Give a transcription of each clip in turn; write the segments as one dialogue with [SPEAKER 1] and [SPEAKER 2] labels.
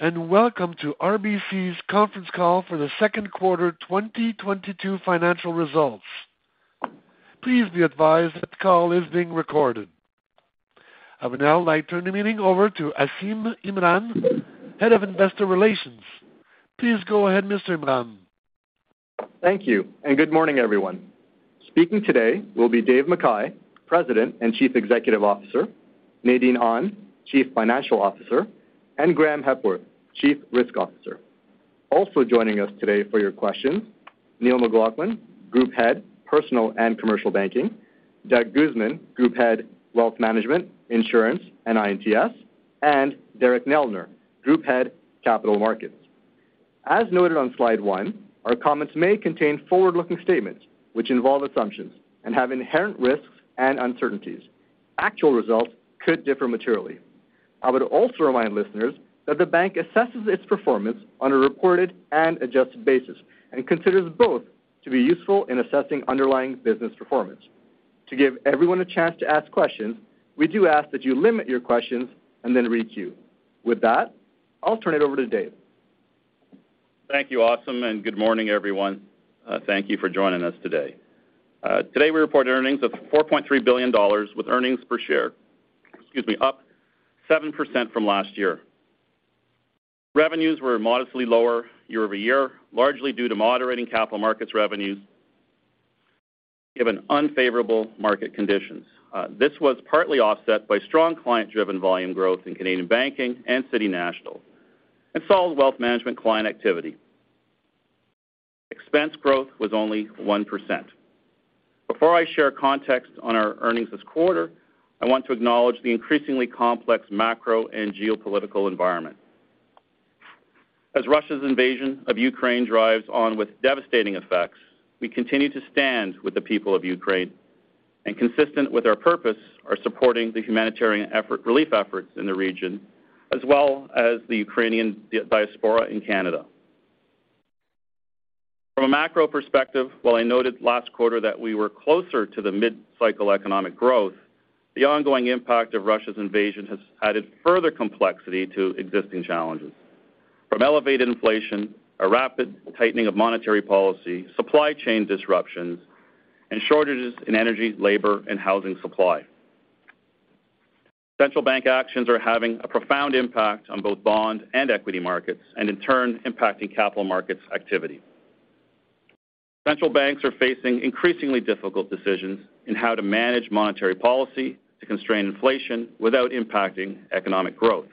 [SPEAKER 1] Welcome to RBC's conference call for Q2 2022 financial results. Please be advised that the call is being recorded. I would now like to turn the meeting over to Asim Imran, Head of Investor Relations. Please go ahead, Mr. Imran.
[SPEAKER 2] Thank you, and good morning, everyone. Speaking today will be Dave McKay, President and Chief Executive Officer, Nadine Ahn, Chief Financial Officer, and Graeme Hepworth, Chief Risk Officer. Also joining us today for your questions, Neil McLaughlin, Group Head, Personal and Commercial Banking, Doug Guzman, Group Head, Wealth Management, Insurance, and I&TS, and Derek Neldner, Group Head, Capital Markets. As noted on slide one, our comments may contain forward-looking statements which involve assumptions and have inherent risks and uncertainties. Actual results could differ materially. I would also remind listeners that the bank assesses its performance on a reported and adjusted basis and considers both to be useful in assessing underlying business performance. To give everyone a chance to ask questions, we do ask that you limit your questions and then re-queue. With that, I'll turn it over to Dave.
[SPEAKER 3] Thank you, Asim, and good morning, everyone. Thank you for joining us today. Today we report earnings of 4.3 billion dollars with earnings per share, excuse me, up 7% from last year. Revenues were modestly lower year-over-year, largely due to moderating capital markets revenues given unfavorable market conditions. This was partly offset by strong client-driven volume growth in Canadian banking and City National and solid wealth management client activity. Expense growth was only 1%. Before I share context on our earnings this quarter, I want to acknowledge the increasingly complex macro and geopolitical environment. As Russia's invasion of Ukraine drives on with devastating effects, we continue to stand with the people of Ukraine and consistent with our purpose, are supporting the humanitarian effort, relief efforts in the region, as well as the Ukrainian diaspora in Canada. From a macro perspective, while I noted last quarter that we were closer to the mid-cycle economic growth, the ongoing impact of Russia's invasion has added further complexity to existing challenges, from elevated inflation, a rapid tightening of monetary policy, supply chain disruptions, and shortages in energy, labor, and housing supply. Central bank actions are having a profound impact on both bond and equity markets, and in turn, impacting capital markets activity. Central banks are facing increasingly difficult decisions in how to manage monetary policy to constrain inflation without impacting economic growth.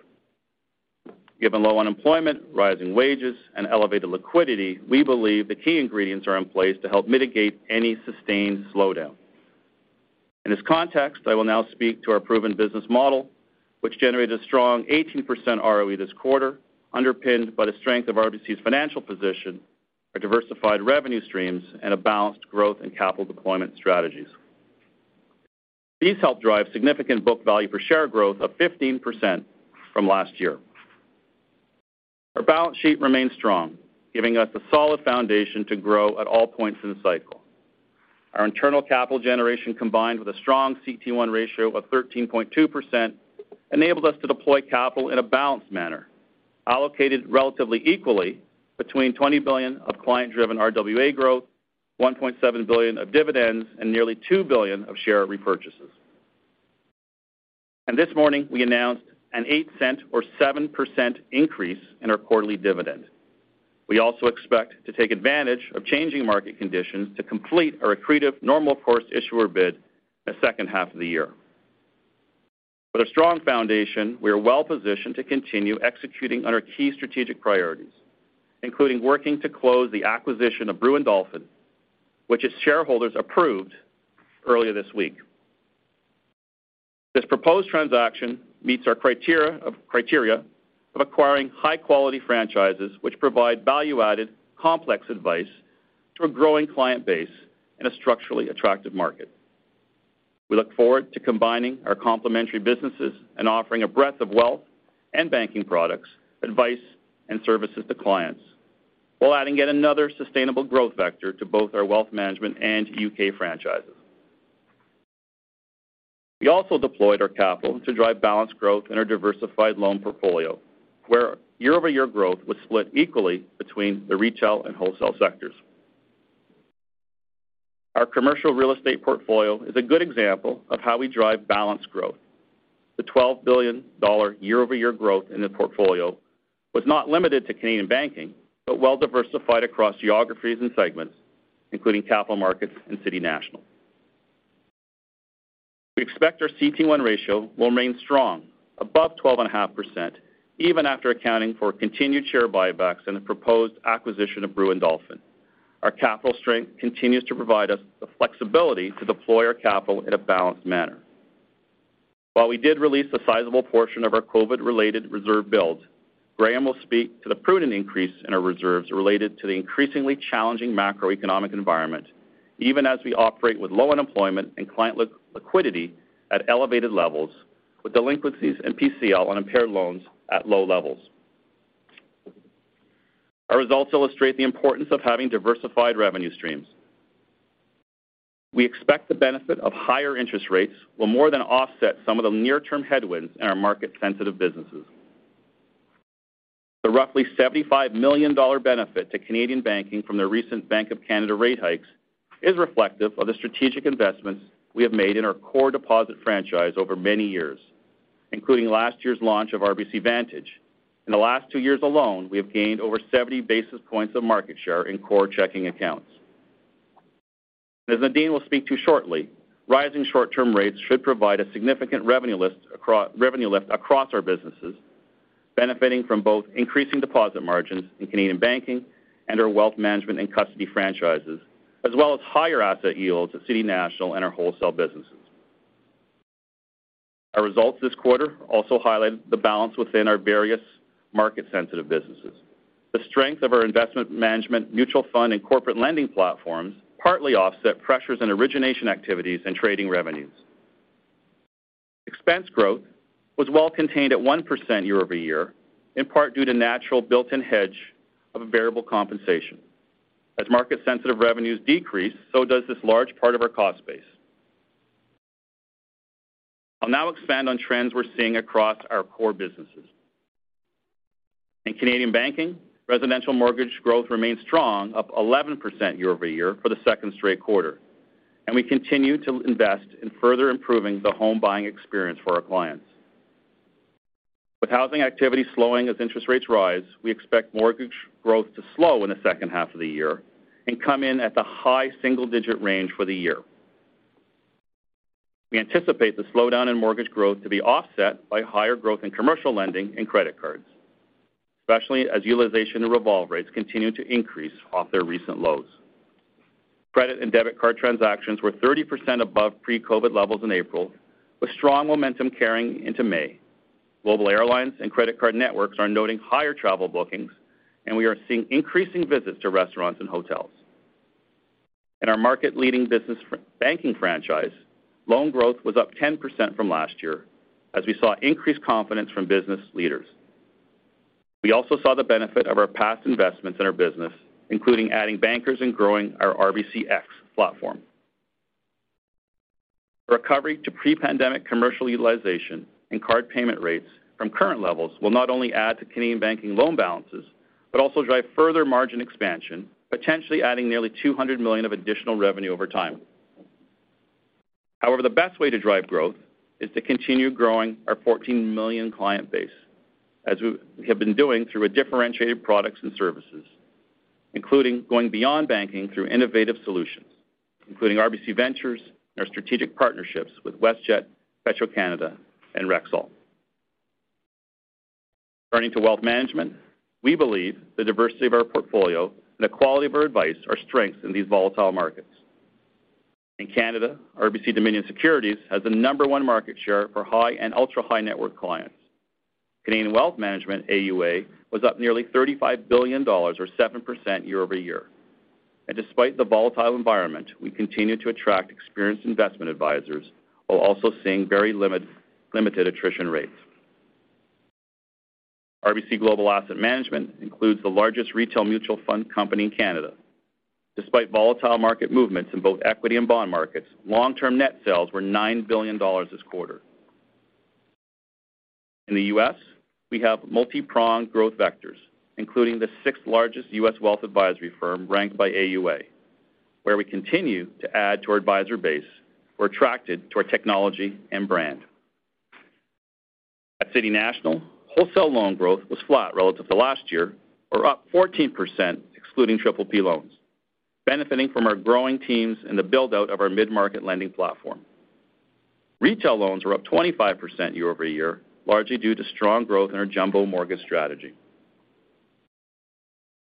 [SPEAKER 3] Given low unemployment, rising wages, and elevated liquidity, we believe the key ingredients are in place to help mitigate any sustained slowdown. In this context, I will now speak to our proven business model, which generated a strong 18% ROE this quarter, underpinned by the strength of RBC's financial position, our diversified revenue streams, and a balanced growth in capital deployment strategies. These helped drive significant book value per share growth of 15% from last year. Our balance sheet remains strong, giving us a solid foundation to grow at all points in the cycle. Our internal capital generation, combined with a strong CET1 ratio of 13.2%, enabled us to deploy capital in a balanced manner, allocated relatively equally between 20 billion of client-driven RWA growth, 1.7 billion of dividends, and nearly 2 billion of share repurchases. This morning, we announced a 0.08 or 7% increase in our quarterly dividend. We expect to take advantage of changing market conditions to complete our accretive Normal Course Issuer Bid in H2 of the year. With a strong foundation, we are well-positioned to continue executing on our key strategic priorities, including working to close the acquisition of Brewin Dolphin, which its shareholders approved earlier this week. This proposed transaction meets our criteria of acquiring high-quality franchises which provide value-added, complex advice to a growing client base in a structurally attractive market. We look forward to combining our complementary businesses and offering a breadth of wealth and banking products, advice, and services to clients, while adding yet another sustainable growth vector to both our wealth management and U.K. franchises. We also deployed our capital to drive balanced growth in our diversified loan portfolio, where year-over-year growth was split equally between the retail and wholesale sectors. Our commercial real estate portfolio is a good example of how we drive balanced growth. The 12 billion dollar year-over-year growth in the portfolio was not limited to Canadian banking, but well diversified across geographies and segments, including capital markets and City National. We expect our CET1 ratio will remain strong, above 12.5%, even after accounting for continued share buybacks and the proposed acquisition of Brewin Dolphin. Our capital strength continues to provide us the flexibility to deploy our capital in a balanced manner. While we did release a sizable portion of our COVID-related reserve build, Graeme will speak to the prudent increase in our reserves related to the increasingly challenging macroeconomic environment, even as we operate with low unemployment and client liquidity at elevated levels, with delinquencies in PCL on impaired loans at low levels. Our results illustrate the importance of having diversified revenue streams. We expect the benefit of higher interest rates will more than offset some of the near-term headwinds in our market-sensitive businesses. The roughly 75 million dollar benefit to Canadian banking from the recent Bank of Canada rate hikes is reflective of the strategic investments we have made in our core deposit franchise over many years, including last year's launch of RBC Vantage. In the last 2 years alone, we have gained over 70 basis points of market share in core checking accounts. As Nadine will speak to shortly, rising short-term rates should provide a significant revenue lift across our businesses, benefiting from both increasing deposit margins in Canadian banking and our wealth management and custody franchises, as well as higher asset yields at City National and our wholesale businesses. Our results this quarter also highlighted the balance within our various market-sensitive businesses. The strength of our investment management, mutual fund, and corporate lending platforms partly offset pressures in origination activities and trading revenues. Expense growth was well contained at 1% year-over-year, in part due to natural built-in hedge of a variable compensation. As market-sensitive revenues decrease, so does this large part of our cost base. I'll now expand on trends we're seeing across our core businesses. In Canadian banking, residential mortgage growth remains strong, up 11% year-over-year for the second straight quarter, and we continue to invest in further improving the home buying experience for our clients. With housing activity slowing as interest rates rise, we expect mortgage growth to slow in the second half of the year and come in at the high single-digit range for the year. We anticipate the slowdown in mortgage growth to be offset by higher growth in commercial lending and credit cards, especially as utilization and revolve rates continue to increase off their recent lows. Credit and debit card transactions were 30% above pre-COVID levels in April, with strong momentum carrying into May. Global airlines and credit card networks are noting higher travel bookings, and we are seeing increasing visits to restaurants and hotels. In our market-leading business banking franchise, loan growth was up 10% from last year as we saw increased confidence from business leaders. We also saw the benefit of our past investments in our business, including adding bankers and growing our RBC X platform. Recovery to pre-pandemic commercial utilization and card payment rates from current levels will not only add to Canadian banking loan balances, but also drive further margin expansion, potentially adding nearly 200 million of additional revenue over time. However, the best way to drive growth is to continue growing our 14 million client base, as we have been doing through a differentiated products and services, including going beyond banking through innovative solutions, including RBC Ventures and our strategic partnerships with WestJet, Petro-Canada, and Rexall. Turning to wealth management, we believe the diversity of our portfolio and the quality of our advice are strengths in these volatile markets. In Canada, RBC Dominion Securities has the number one market share for high and ultra-high net worth clients. Canadian Wealth Management AUA was up nearly 35 billion dollars, or 7% year-over-year. Despite the volatile environment, we continue to attract experienced investment advisors while also seeing very limited attrition rates. RBC Global Asset Management includes the largest retail mutual fund company in Canada. Despite volatile market movements in both equity and bond markets, long-term net sales were 9 billion dollars this quarter. In the U.S., we have multi-pronged growth vectors, including the sixth-largest US wealth advisory firm ranked by AUA, where we continue to add to our advisor base who are attracted to our technology and brand. At City National Bank, wholesale loan growth was flat relative to last year or up 14% excluding PPP loans, benefiting from our growing teams and the build-out of our mid-market lending platform. Retail loans were up 25% year-over-year, largely due to strong growth in our jumbo mortgage strategy.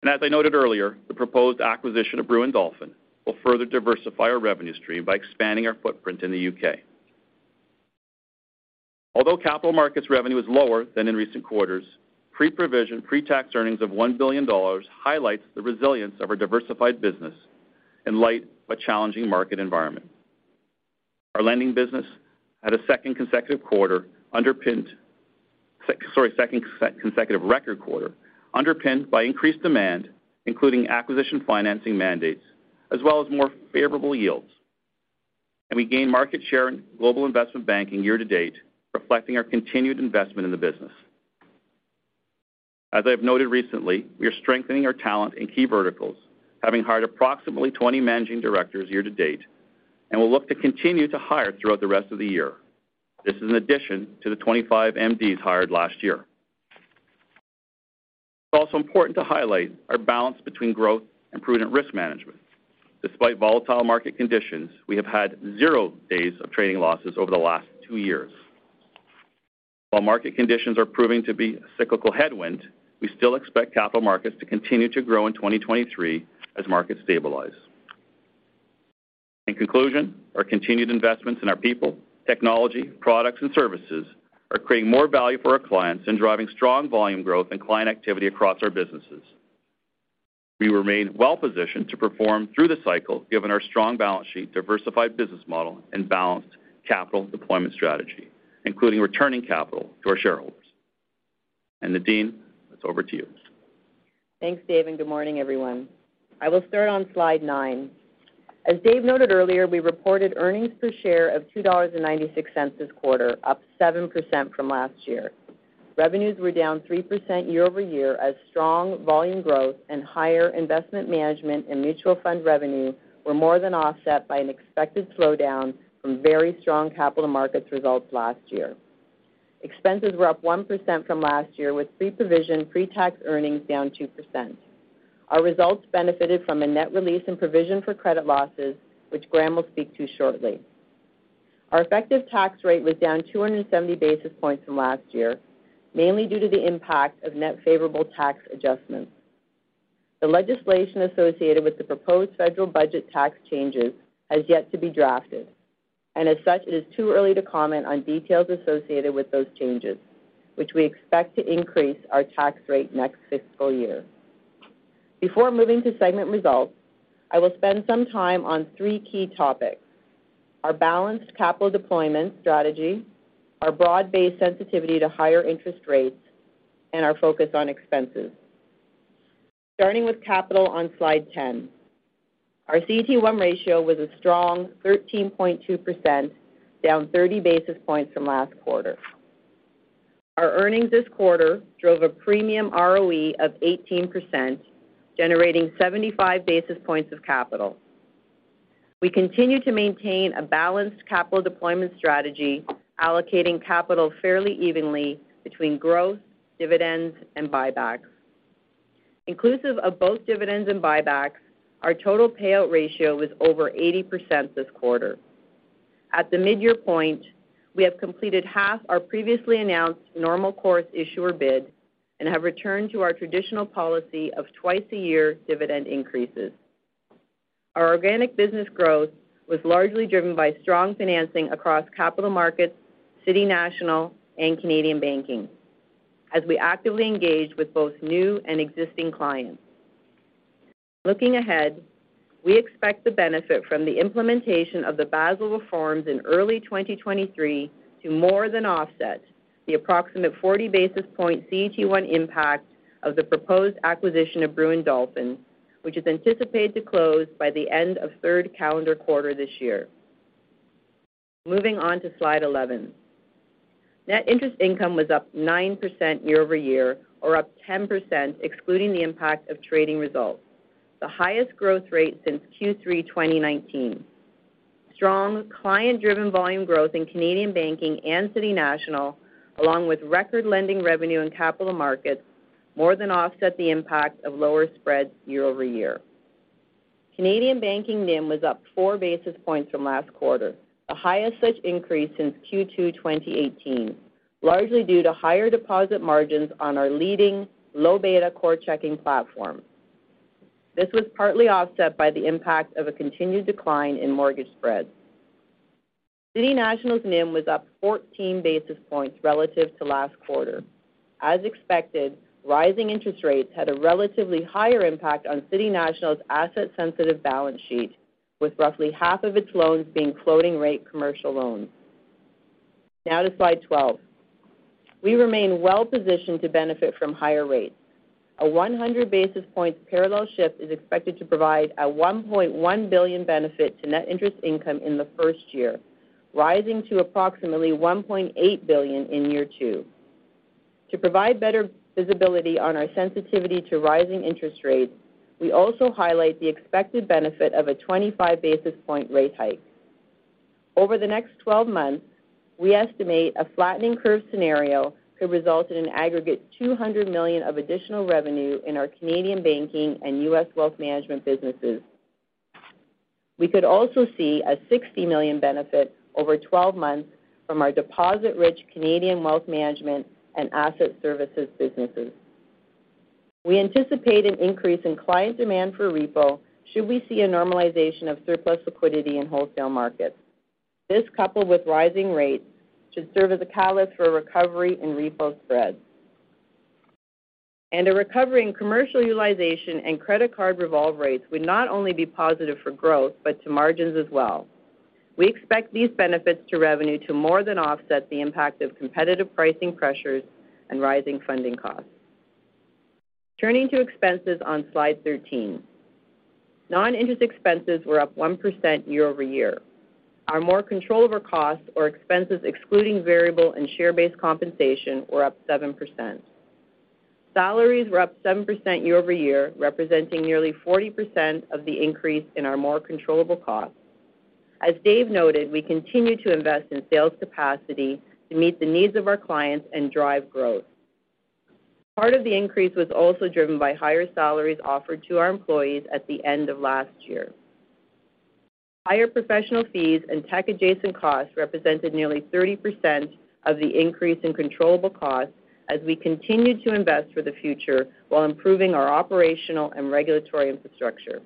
[SPEAKER 3] As I noted earlier, the proposed acquisition of Brewin Dolphin will further diversify our revenue stream by expanding our footprint in the U.K. Although capital markets revenue is lower than in recent quarters, pre-tax earnings of 1 billion dollars highlights the resilience of our diversified business in light of a challenging market environment. Our lending business had a second consecutive record quarter underpinned by increased demand, including acquisition financing mandates as well as more favorable yields. We gained market share in global investment banking year to date, reflecting our continued investment in the business. As I have noted recently, we are strengthening our talent in key verticals, having hired approximately 20 managing directors year to date, and we'll look to continue to hire throughout the rest of the year. This is in addition to the 25 MDs hired last year. It's also important to highlight our balance between growth and prudent risk management. Despite volatile market conditions, we have had zero days of trading losses over the last two years. While market conditions are proving to be a cyclical headwind, we still expect capital markets to continue to grow in 2023 as markets stabilize. In conclusion, our continued investments in our people, technology, products, and services are creating more value for our clients and driving strong volume growth and client activity across our businesses. We remain well positioned to perform through the cycle given our strong balance sheet, diversified business model, and balanced capital deployment strategy, including returning capital to our shareholders. Nadine, it's over to you.
[SPEAKER 4] Thanks, Dave, and good morning, everyone. I will start on slide 9. As Dave noted earlier, we reported earnings per share of 2.96 dollars this quarter, up 7% from last year. Revenues were down 3% year-over-year as strong volume growth and higher investment management and mutual fund revenue were more than offset by an expected slowdown from very strong capital markets results last year. Expenses were up 1% from last year, with pre-provision pretax earnings down 2%. Our results benefited from a net release in provision for credit losses, which Graeme will speak to shortly. Our effective tax rate was down 270 basis points from last year, mainly due to the impact of net favorable tax adjustments. The legislation associated with the proposed federal budget tax changes has yet to be drafted, and as such, it is too early to comment on details associated with those changes, which we expect to increase our tax rate next fiscal year. Before moving to segment results, I will spend some time on three key topics, our balanced capital deployment strategy, our broad-based sensitivity to higher interest rates, and our focus on expenses. Starting with capital on Slide 10. Our CET1 ratio was a strong 13.2%, down 30 basis points from last quarter. Our earnings this quarter drove a premium ROE of 18%, generating 75 basis points of capital. We continue to maintain a balanced capital deployment strategy, allocating capital fairly evenly between growth, dividends, and buybacks. Inclusive of both dividends and buybacks, our total payout ratio was over 80% this quarter. At the mid-year point, we have completed half our previously announced Normal Course Issuer Bid and have returned to our traditional policy of twice-a-year dividend increases. Our organic business growth was largely driven by strong financing across capital markets, City National, and Canadian banking as we actively engaged with both new and existing clients. Looking ahead, we expect the benefit from the implementation of the Basel reforms in early 2023 to more than offset the approximate 40 basis points CET1 impact of the proposed acquisition of Brewin Dolphin, which is anticipated to close by the end of third calendar quarter this year. Moving on to slide 11. Net interest income was up 9% year-over-year, or up 10% excluding the impact of trading results, the highest growth rate since Q3 2019. Strong client-driven volume growth in Canadian Banking and City National, along with record lending revenue in Capital Markets, more than offset the impact of lower spreads year-over-year. Canadian Banking NIM was up 4 basis points from last quarter, the highest such increase since Q2 2018, largely due to higher deposit margins on our leading low-beta core checking platform. This was partly offset by the impact of a continued decline in mortgage spreads. City National's NIM was up 14 basis points relative to last quarter. As expected, rising interest rates had a relatively higher impact on City National's asset-sensitive balance sheet, with roughly half of its loans being floating-rate commercial loans. Now to slide 12. We remain well-positioned to benefit from higher rates. A 100 basis points parallel shift is expected to provide a 1.1 billion benefit to net interest income in the first year, rising to approximately 1.8 billion in year two. To provide better visibility on our sensitivity to rising interest rates, we also highlight the expected benefit of a 25 basis points rate hike. Over the next 12 months, we estimate a flattening curve scenario could result in an aggregate 200 million of additional revenue in our Canadian banking and U.S. wealth management businesses. We could also see a 60 million benefit over 12 months from our deposit-rich Canadian wealth management and asset services businesses. We anticipate an increase in client demand for repo should we see a normalization of surplus liquidity in wholesale markets. This, coupled with rising rates, should serve as a catalyst for a recovery in repo spreads. A recovery in commercial utilization and credit card revolve rates would not only be positive for growth, but to margins as well. We expect these benefits to revenue to more than offset the impact of competitive pricing pressures and rising funding costs. Turning to expenses on slide 13. Non-interest expenses were up 1% year-over-year. Our more controllable costs or expenses excluding variable and share-based compensation were up 7%. Salaries were up 7% year-over-year, representing nearly 40% of the increase in our more controllable costs. As Dave noted, we continue to invest in sales capacity to meet the needs of our clients and drive growth. Part of the increase was also driven by higher salaries offered to our employees at the end of last year. Higher professional fees and tech-adjacent costs represented nearly 30% of the increase in controllable costs as we continue to invest for the future while improving our operational and regulatory infrastructure.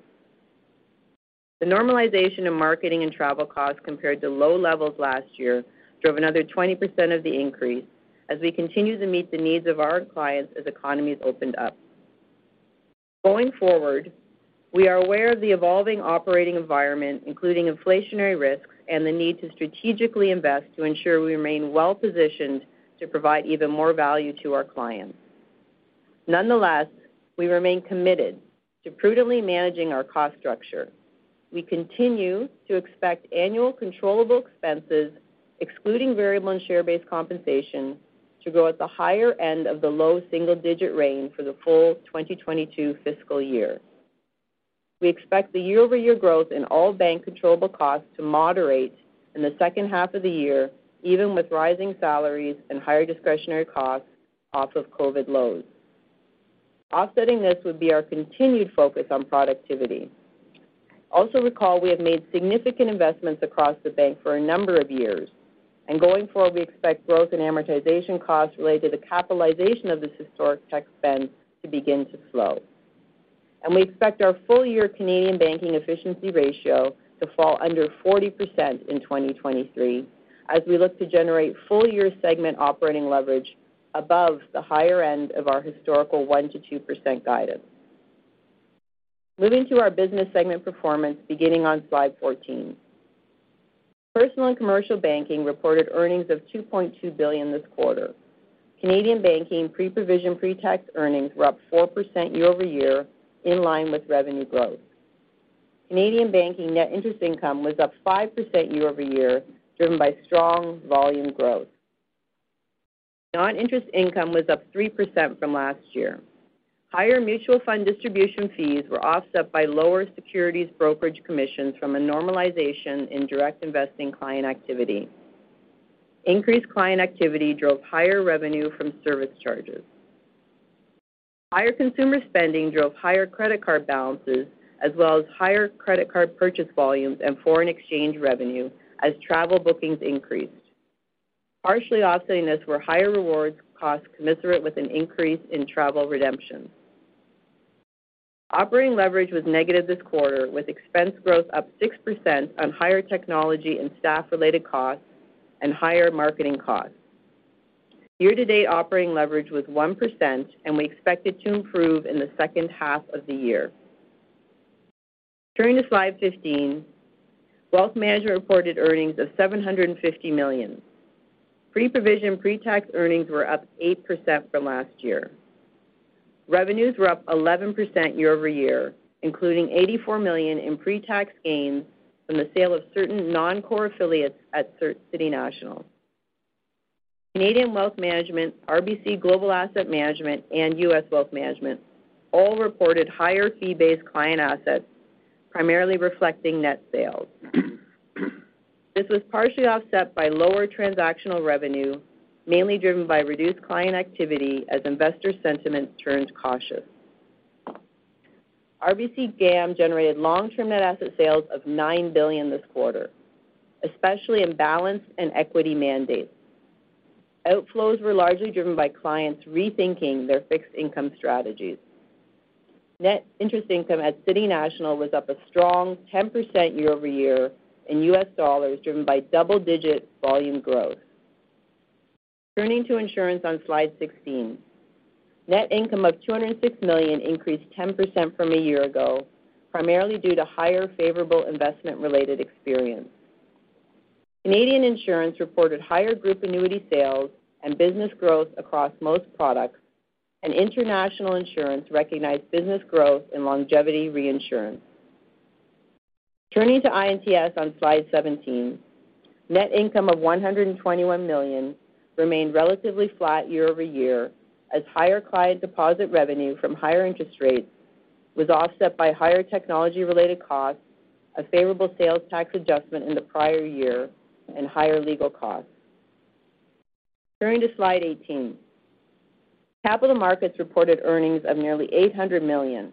[SPEAKER 4] The normalization of marketing and travel costs compared to low levels last year drove another 20% of the increase as we continue to meet the needs of our clients as economies opened up. Going forward, we are aware of the evolving operating environment, including inflationary risks and the need to strategically invest to ensure we remain well-positioned to provide even more value to our clients. Nonetheless, we remain committed to prudently managing our cost structure. We continue to expect annual controllable expenses, excluding variable and share-based compensation, to grow at the higher end of the low single digit range for the full 2022 fiscal year. We expect the year-over-year growth in all bank controllable costs to moderate in H2 of the year, even with rising salaries and higher discretionary costs off of COVID lows. Offsetting this would be our continued focus on productivity. Also recall, we have made significant investments across the bank for a number of years, and going forward, we expect growth in amortization costs related to the capitalization of this historic tech spend to begin to slow. We expect our full year Canadian banking efficiency ratio to fall under 40% in 2023 as we look to generate full year segment operating leverage above the higher end of our historical 1%-2% guidance. Moving to our business segment performance beginning on Slide 14. Personal and Commercial Banking reported earnings of 2.2 billion this quarter. Canadian banking pre-provision, pre-tax earnings were up 4% year-over-year, in line with revenue growth. Canadian banking net interest income was up 5% year-over-year, driven by strong volume growth. Non-interest income was up 3% from last year. Higher mutual fund distribution fees were offset by lower securities brokerage commissions from a normalization in direct investing client activity. Increased client activity drove higher revenue from service charges. Higher consumer spending drove higher credit card balances, as well as higher credit card purchase volumes and foreign exchange revenue as travel bookings increased. Partially offsetting this were higher rewards costs commensurate with an increase in travel redemptions. Operating leverage was negative this quarter, with expense growth up 6% on higher technology and staff related costs and higher marketing costs. Year to date operating leverage was 1%, and we expect it to improve in the second half of the year. Turning to Slide 15, Wealth Management reported earnings of 750 million. Pre-provision, pre-tax earnings were up 8% from last year. Revenues were up 11% year-over-year, including 84 million in pre-tax gains from the sale of certain non-core affiliates at City National. Canadian Wealth Management, RBC Global Asset Management, and US Wealth Management all reported higher fee-based client assets, primarily reflecting net sales. This was partially offset by lower transactional revenue, mainly driven by reduced client activity as investor sentiment turned cautious. RBC GAM generated long-term net asset sales of 9 billion this quarter, especially in balanced and equity mandates. Outflows were largely driven by clients rethinking their fixed income strategies. Net interest income at City National was up a strong 10% year-over-year in U.S. dollars, driven by double-digit volume growth. Turning to Insurance on Slide 16. Net income of 206 million increased 10% from a year ago, primarily due to higher favorable investment related experience. Canadian Insurance reported higher group annuity sales and business growth across most products, and International Insurance recognized business growth in longevity reinsurance. Turning to I&TS on Slide 17, net income of 121 million remained relatively flat year-over-year as higher client deposit revenue from higher interest rates was offset by higher technology related costs, a favorable sales tax adjustment in the prior year, and higher legal costs. Turning to Slide 18. Capital Markets reported earnings of nearly 800 million.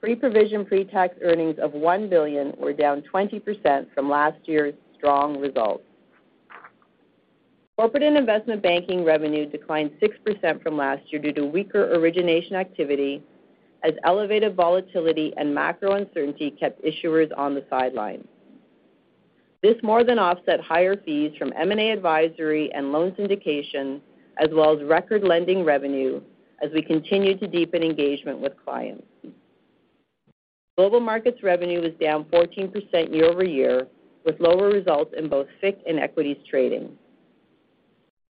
[SPEAKER 4] Pre-provision, pre-tax earnings of 1 billion were down 20% from last year's strong results. Corporate and Investment Banking revenue declined 6% from last year due to weaker origination activity as elevated volatility and macro uncertainty kept issuers on the sidelines. This more than offset higher fees from M&A advisory and loan syndication, as well as record lending revenue as we continue to deepen engagement with clients. Global Markets revenue was down 14% year-over-year, with lower results in both FIC and equities trading.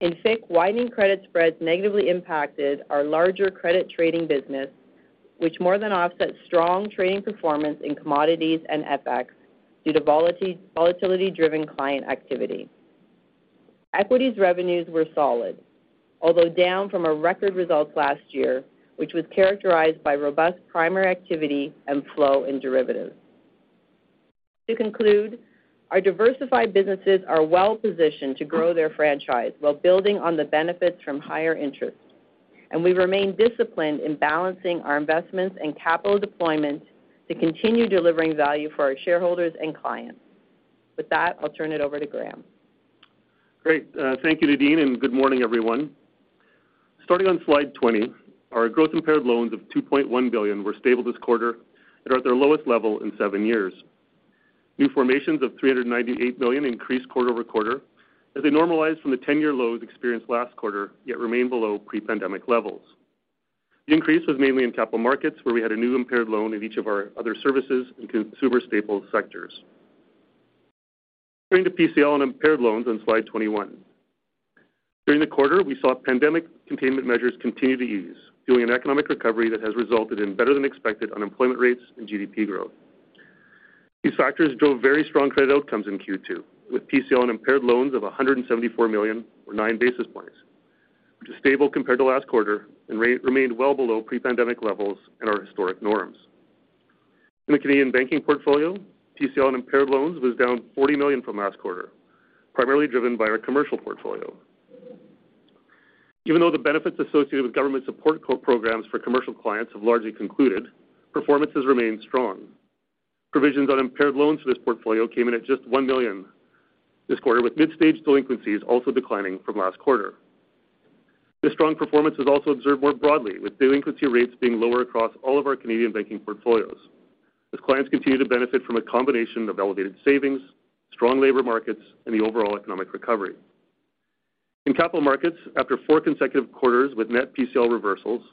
[SPEAKER 4] In FIC, widening credit spreads negatively impacted our larger credit trading business, which more than offset strong trading performance in commodities and FX due to volatility-driven client activity. Equities revenues were solid, although down from our record results last year, which was characterized by robust primary activity and flow in derivatives. To conclude, our diversified businesses are well positioned to grow their franchise while building on the benefits from higher interest, and we remain disciplined in balancing our investments and capital deployment to continue delivering value for our shareholders and clients. With that, I'll turn it over to Graeme.
[SPEAKER 5] Great. Thank you, Nadine, and good morning, everyone. Starting on slide 20, our gross impaired loans of 2.1 billion were stable this quarter and are at their lowest level in seven years. New formations of 398 million increased quarter-over-quarter as they normalized from the ten-year lows experienced last quarter, yet remained below pre-pandemic levels. The increase was mainly in capital markets, where we had a new impaired loan in each of our other sectors and consumer staples sectors. Turning to PCL and impaired loans on slide 21. During the quarter, we saw pandemic containment measures continue to ease, driving an economic recovery that has resulted in better than expected unemployment rates and GDP growth. These factors drove very strong credit outcomes in Q2 with PCL and impaired loans of 174 million or 9 basis points, which is stable compared to last quarter and remained well below pre-pandemic levels and our historic norms. In the Canadian banking portfolio, PCL and impaired loans was down 40 million from last quarter, primarily driven by our commercial portfolio. Even though the benefits associated with government support COVID programs for commercial clients have largely concluded, performance has remained strong. Provisions on impaired loans to this portfolio came in at just 1 million this quarter, with mid-stage delinquencies also declining from last quarter. This strong performance is also observed more broadly, with delinquency rates being lower across all of our Canadian banking portfolios as clients continue to benefit from a combination of elevated savings, strong labor markets, and the overall economic recovery. In capital markets, after four consecutive quarters with net PCL reversals,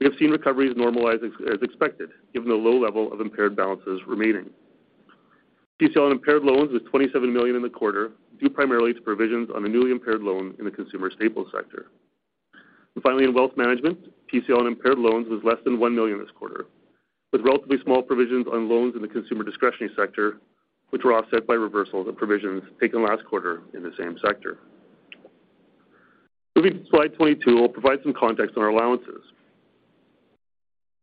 [SPEAKER 5] we have seen recoveries normalize as expected, given the low level of impaired balances remaining. PCL and impaired loans was 27 million in the quarter, due primarily to provisions on a newly impaired loan in the consumer staples sector. Finally, in wealth management, PCL and impaired loans was less than 1 million this quarter, with relatively small provisions on loans in the consumer discretionary sector, which were offset by reversals and provisions taken last quarter in the same sector. Moving to slide 22 will provide some context on our allowances.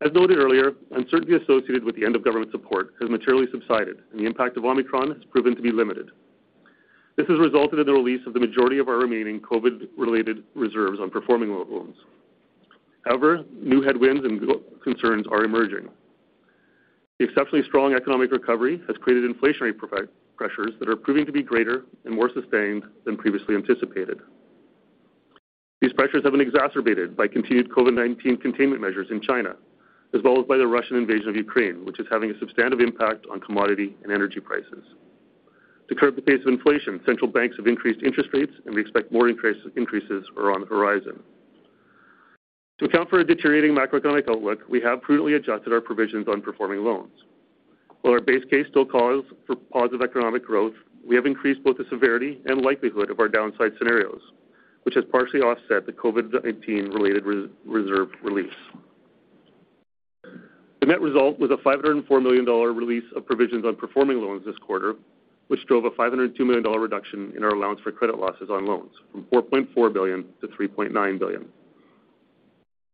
[SPEAKER 5] As noted earlier, uncertainty associated with the end of government support has materially subsided and the impact of Omicron has proven to be limited. This has resulted in the release of the majority of our remaining COVID-related reserves on performing loans. However, new headwinds and concerns are emerging. The exceptionally strong economic recovery has created inflationary pressures that are proving to be greater and more sustained than previously anticipated. These pressures have been exacerbated by continued COVID-19 containment measures in China, as well as by the Russian invasion of Ukraine, which is having a substantive impact on commodity and energy prices. To curb the pace of inflation, central banks have increased interest rates and we expect more increases are on the horizon. To account for a deteriorating macroeconomic outlook, we have prudently adjusted our provisions on performing loans. While our base case still calls for positive economic growth, we have increased both the severity and likelihood of our downside scenarios, which has partially offset the COVID-19 related reserve release. The net result was a 504 million dollar release of provisions on performing loans this quarter, which drove a 502 million dollar reduction in our allowance for credit losses on loans from 4.4 billion to 3.9 billion.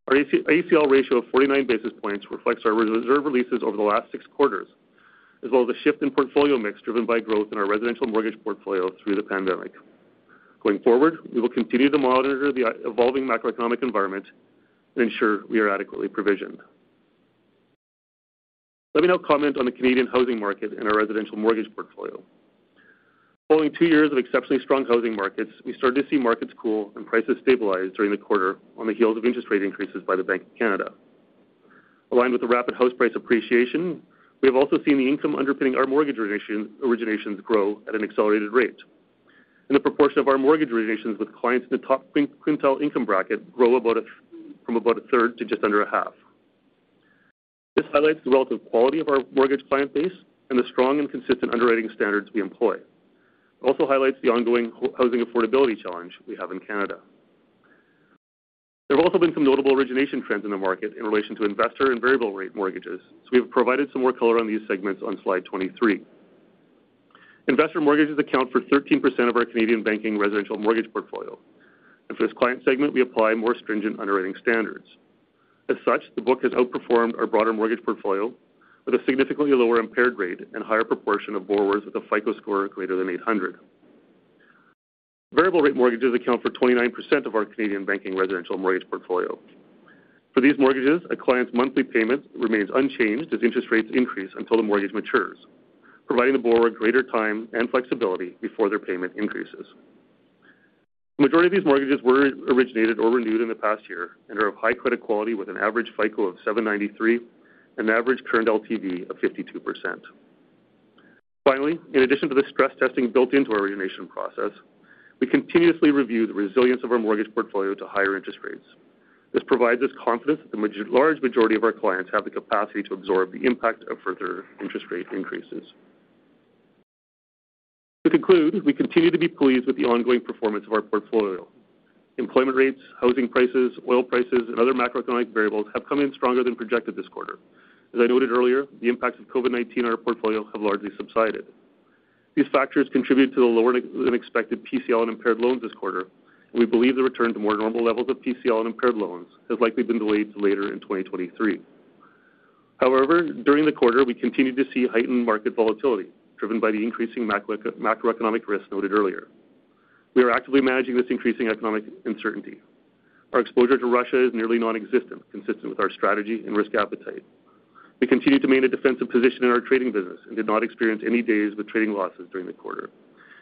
[SPEAKER 5] Our ACL ratio of 49 basis points reflects our reserve releases over the last six quarters, as well as a shift in portfolio mix driven by growth in our residential mortgage portfolio through the pandemic. Going forward, we will continue to monitor the evolving macroeconomic environment and ensure we are adequately provisioned. Let me now comment on the Canadian housing market and our residential mortgage portfolio. Following two years of exceptionally strong housing markets, we started to see markets cool and prices stabilize during the quarter on the heels of interest rate increases by the Bank of Canada. Aligned with the rapid house price appreciation, we have also seen the income underpinning our mortgage originations grow at an accelerated rate, and the proportion of our mortgage originations with clients in the top quintile income bracket grow from about a third to just under a half. This highlights the relative quality of our mortgage client base and the strong and consistent underwriting standards we employ. It also highlights the ongoing housing affordability challenge we have in Canada. There have also been some notable origination trends in the market in relation to investor and variable rate mortgages, so we have provided some more color on these segments on slide 23. Investor mortgages account for 13% of our Canadian banking residential mortgage portfolio, and for this client segment, we apply more stringent underwriting standards. As such, the book has outperformed our broader mortgage portfolio with a significantly lower impaired rate and higher proportion of borrowers with a FICO score greater than 800. Variable rate mortgages account for 29% of our Canadian banking residential mortgage portfolio. For these mortgages, a client's monthly payment remains unchanged as interest rates increase until the mortgage matures, providing the borrower greater time and flexibility before their payment increases. The majority of these mortgages were originated or renewed in the past year and are of high credit quality with an average FICO of 793, an average current LTV of 52%. Finally, in addition to the stress testing built into our origination process, we continuously review the resilience of our mortgage portfolio to higher interest rates. This provides us confidence that the large majority of our clients have the capacity to absorb the impact of further interest rate increases. To conclude, we continue to be pleased with the ongoing performance of our portfolio. Employment rates, housing prices, oil prices, and other macroeconomic variables have come in stronger than projected this quarter. As I noted earlier, the impacts of COVID-19 on our portfolio have largely subsided. These factors contribute to the lower than expected PCL and impaired loans this quarter, and we believe the return to more normal levels of PCL and impaired loans has likely been delayed to later in 2023. However, during the quarter, we continued to see heightened market volatility driven by the increasing macroeconomic risks noted earlier. We are actively managing this increasing economic uncertainty. Our exposure to Russia is nearly nonexistent, consistent with our strategy and risk appetite. We continue to maintain a defensive position in our trading business and did not experience any days with trading losses during the quarter.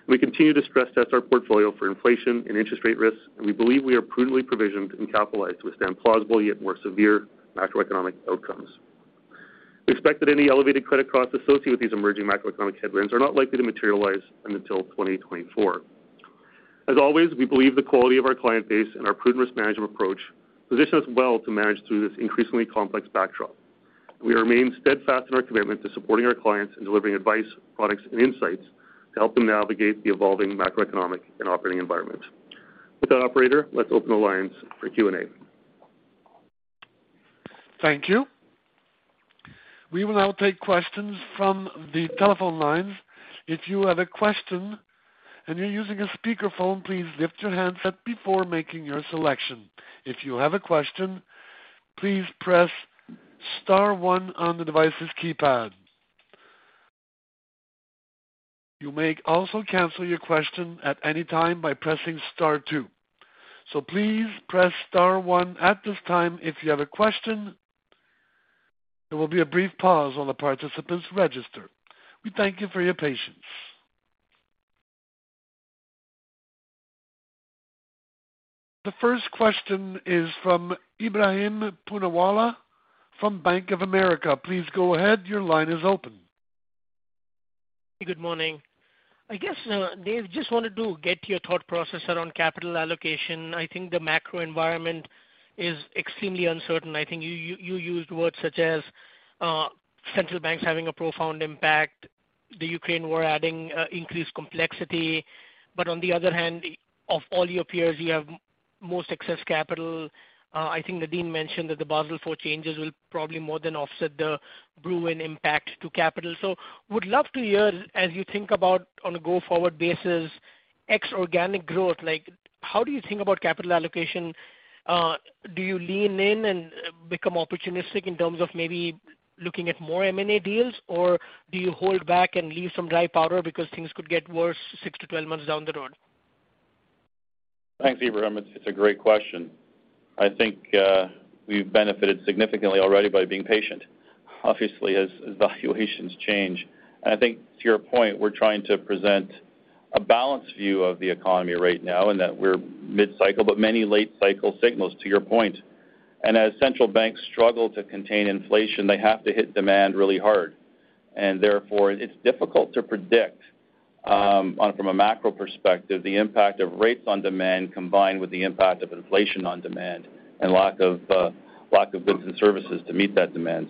[SPEAKER 5] We continue to stress test our portfolio for inflation and interest rate risks, and we believe we are prudently provisioned and capitalized to withstand plausible yet more severe macroeconomic outcomes. We expect that any elevated credit costs associated with these emerging macroeconomic headwinds are not likely to materialize until 2024. As always, we believe the quality of our client base and our prudent risk management approach position us well to manage through this increasingly complex backdrop. We remain steadfast in our commitment to supporting our clients and delivering advice, products and insights to help them navigate the evolving macroeconomic and operating environment. With that, operator, let's open the lines for Q&A.
[SPEAKER 1] Thank you. We will now take questions from the telephone lines. If you have a question and you're using a speakerphone, please lift your handset before making your selection. If you have a question, please press star one on the device's keypad. You may also cancel your question at any time by pressing star two. Please press star one at this time if you have a question. There will be a brief pause while the participants register. We thank you for your patience. The first question is from Ebrahim Poonawala from Bank of America. Please go ahead. Your line is open.
[SPEAKER 6] Good morning. I guess, Dave, just wanted to get your thought process around capital allocation. I think the macro environment is extremely uncertain. I think you used words such as central banks having a profound impact, the Ukraine war adding increased complexity. On the other hand, of all your peers, you have most excess capital. I think Nadine mentioned that the Basel IV changes will probably more than offset the Brewin impact to capital. I would love to hear as you think about on a go-forward basis, ex organic growth, like how do you think about capital allocation. Do you lean in and become opportunistic in terms of maybe looking at more M&A deals, or do you hold back and leave some dry powder because things could get worse 6-12 months down the road?
[SPEAKER 3] Thanks, Ebrahim. It's a great question. I think we've benefited significantly already by being patient, obviously, as valuations change. I think to your point, we're trying to present a balanced view of the economy right now and that we're mid-cycle, but many late cycle signals, to your point. As central banks struggle to contain inflation, they have to hit demand really hard. Therefore it's difficult to predict from a macro perspective, the impact of rates on demand combined with the impact of inflation on demand and lack of goods and services to meet that demand.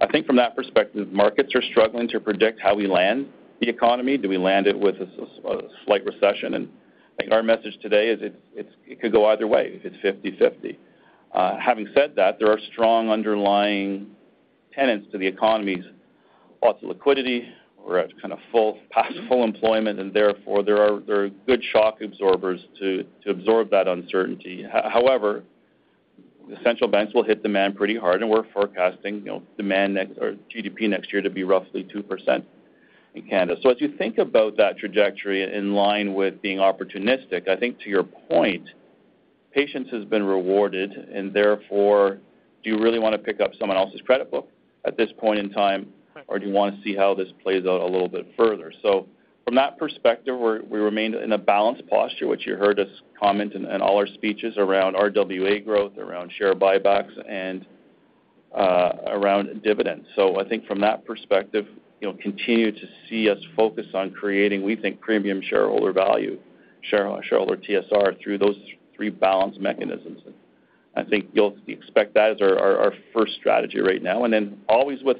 [SPEAKER 3] I think from that perspective, markets are struggling to predict how we land the economy. Do we land it with a slight recession? I think our message today is it could go either way. It's 50/50. Having said that, there are strong underlying tenets to the economy's loss of liquidity. We're at kind of past full employment, and therefore there are good shock absorbers to absorb that uncertainty. However, the central banks will hit demand pretty hard, and we're forecasting GDP next year to be roughly 2% in Canada. As you think about that trajectory in line with being opportunistic, I think to your point, patience has been rewarded and therefore, do you really want to pick up someone else's credit book at this point in time, or do you want to see how this plays out a little bit further? From that perspective, we remain in a balanced posture, which you heard us comment in all our speeches around RWA growth, around share buybacks, and around dividends. I think from that perspective, you'll continue to see us focus on creating, we think, premium shareholder value, shareholder TSR through those three balance mechanisms. I think you'll expect that as our first strategy right now. Then always with,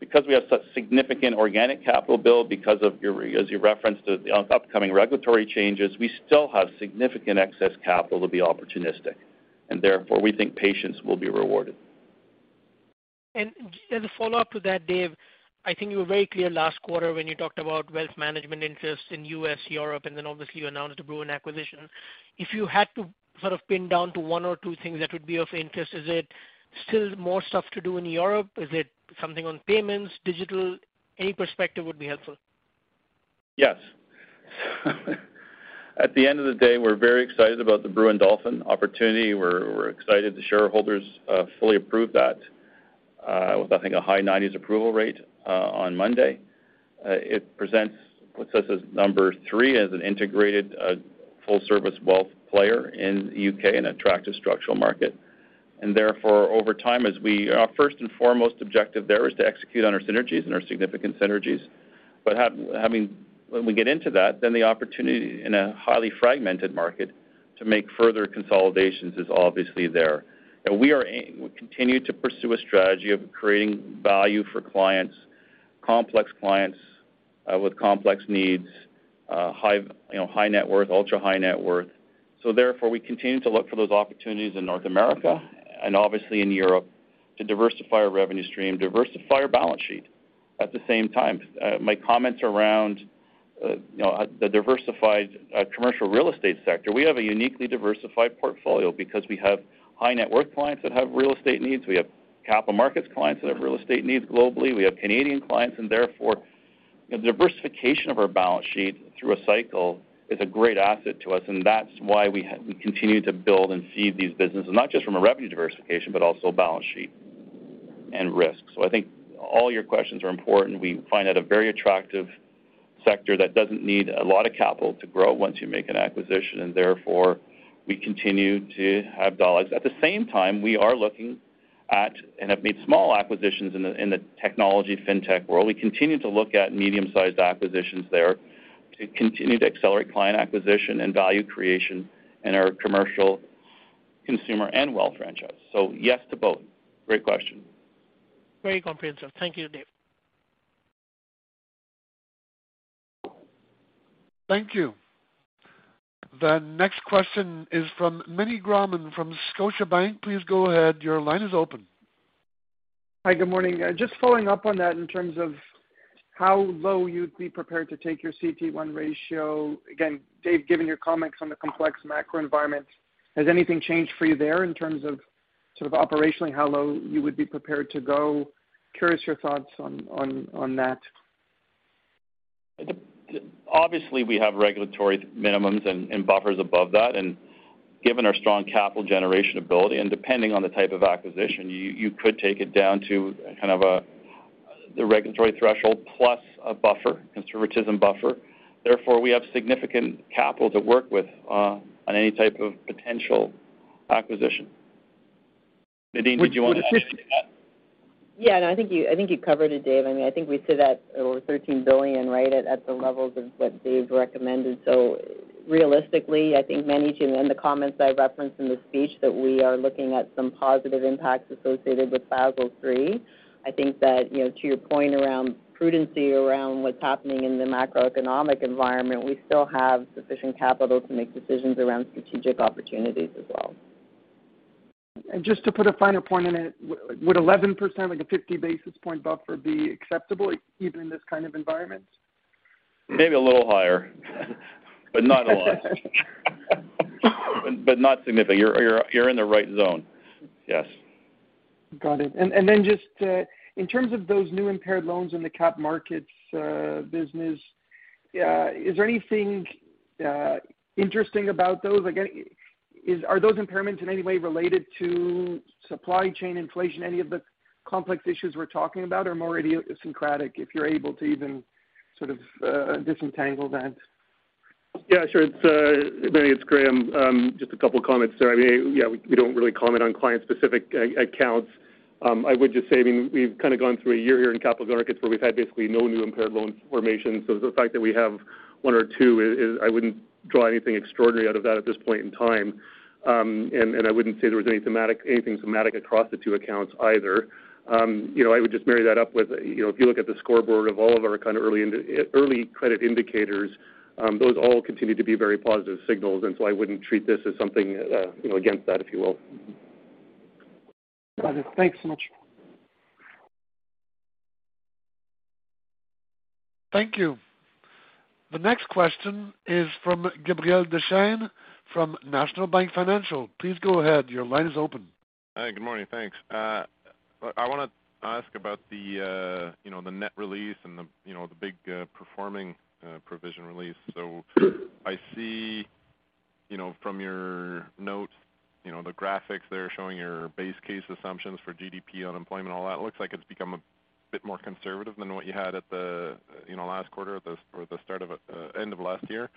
[SPEAKER 3] because we have such significant organic capital build, because of your, as you referenced, the upcoming regulatory changes, we still have significant excess capital to be opportunistic. Therefore, we think patience will be rewarded.
[SPEAKER 6] As a follow-up to that, Dave, I think you were very clear last quarter when you talked about wealth management interest in U.S., Europe, and then obviously you announced the Brewin acquisition. If you had to sort of pin down to one or two things that would be of interest, is it still more stuff to do in Europe? Is it something on payments, digital? Any perspective would be helpful.
[SPEAKER 3] Yes. At the end of the day, we're very excited about the Brewin Dolphin opportunity. We're excited the shareholders fully approved that, with I think a high 90s approval rate, on Monday. It puts us as number three as an integrated, full service wealth player in the U.K., an attractive structural market. Therefore, over time, our first and foremost objective there is to execute on our synergies and our significant synergies. When we get into that, then the opportunity in a highly fragmented market to make further consolidations is obviously there. We continue to pursue a strategy of creating value for clients, complex clients, with complex needs, high, you know, high net worth, ultra-high net worth. Therefore, we continue to look for those opportunities in North America and obviously in Europe to diversify our revenue stream, diversify our balance sheet. At the same time, my comments around you know the diversified commercial real estate sector, we have a uniquely diversified portfolio because we have high net worth clients that have real estate needs. We have capital markets clients that have real estate needs globally. We have Canadian clients and therefore the diversification of our balance sheet through a cycle is a great asset to us, and that's why we continue to build and feed these businesses, not just from a revenue diversification but also balance sheet and risk. I think all your questions are important. We find that a very attractive sector that doesn't need a lot of capital to grow once you make an acquisition, and therefore we continue to have dollars. At the same time, we are looking at and have made small acquisitions in the technology fintech world. We continue to look at medium-sized acquisitions there to continue to accelerate client acquisition and value creation in our commercial consumer and wealth franchise. So yes to both. Great question.
[SPEAKER 6] Very comprehensive. Thank you, Dave.
[SPEAKER 1] Thank you. The next question is from Meny Grauman from Scotiabank. Please go ahead. Your line is open.
[SPEAKER 7] Hi. Good morning. Just following up on that in terms of how low you'd be prepared to take your CET1 ratio. Again, Dave, given your comments on the complex macro environment, has anything changed for you there in terms of sort of operationally how low you would be prepared to go? Curious your thoughts on that.
[SPEAKER 3] Obviously, we have regulatory minimums and buffers above that. Given our strong capital generation ability and depending on the type of acquisition, you could take it down to kind of a, the regulatory threshold plus a buffer, conservatism buffer. Therefore, we have significant capital to work with on any type of potential acquisition. Nadine, do you want to add anything to that?
[SPEAKER 4] Yeah, no, I think you covered it, Dave. I mean, I think we sit at over 13 billion, right, at the levels of what Dave recommended. Realistically, I think Meny, to end the comments I referenced in the speech that we are looking at some positive impacts associated with Basel III. I think that, you know, to your point around prudence, around what's happening in the macroeconomic environment, we still have sufficient capital to make decisions around strategic opportunities as well.
[SPEAKER 7] Just to put a finer point in it, would 11%, like a 50 basis point buffer be acceptable even in this kind of environment?
[SPEAKER 3] Maybe a little higher, but not a lot. Not significant. You're in the right zone. Yes.
[SPEAKER 7] Got it. Just in terms of those new impaired loans in the capital markets business, is there anything interesting about those? Again, are those impairments in any way related to supply chain inflation, any of the complex issues we're talking about, or more idiosyncratic, if you're able to even sort of disentangle that?
[SPEAKER 5] Yeah, sure. Meny, it's Graeme. Just a couple comments there. I mean, yeah, we don't really comment on client-specific accounts. I would just say we've kind of gone through a year here in capital markets where we've had basically no new impaired loan formation. The fact that we have one or two is. I wouldn't draw anything extraordinary out of that at this point in time. I wouldn't say there was anything thematic across the two accounts either. You know, I would just marry that up with, you know, if you look at the scorecard of all of our kind of early credit indicators, those all continue to be very positive signals, and so I wouldn't treat this as something, you know, against that, if you will.
[SPEAKER 7] Got it. Thanks so much.
[SPEAKER 1] Thank you. The next question is from Gabriel Dechaine from National Bank Financial. Please go ahead. Your line is open.
[SPEAKER 8] Hi. Good morning. Thanks. I want to ask about the, you know, the net release and the, you know, the big performing provision release. I see, you know, from your notes, you know, the graphics there showing your base case assumptions for GDP, unemployment, all that. It looks like it's become a bit more conservative than what you had at the, you know, last quarter or the end of last year.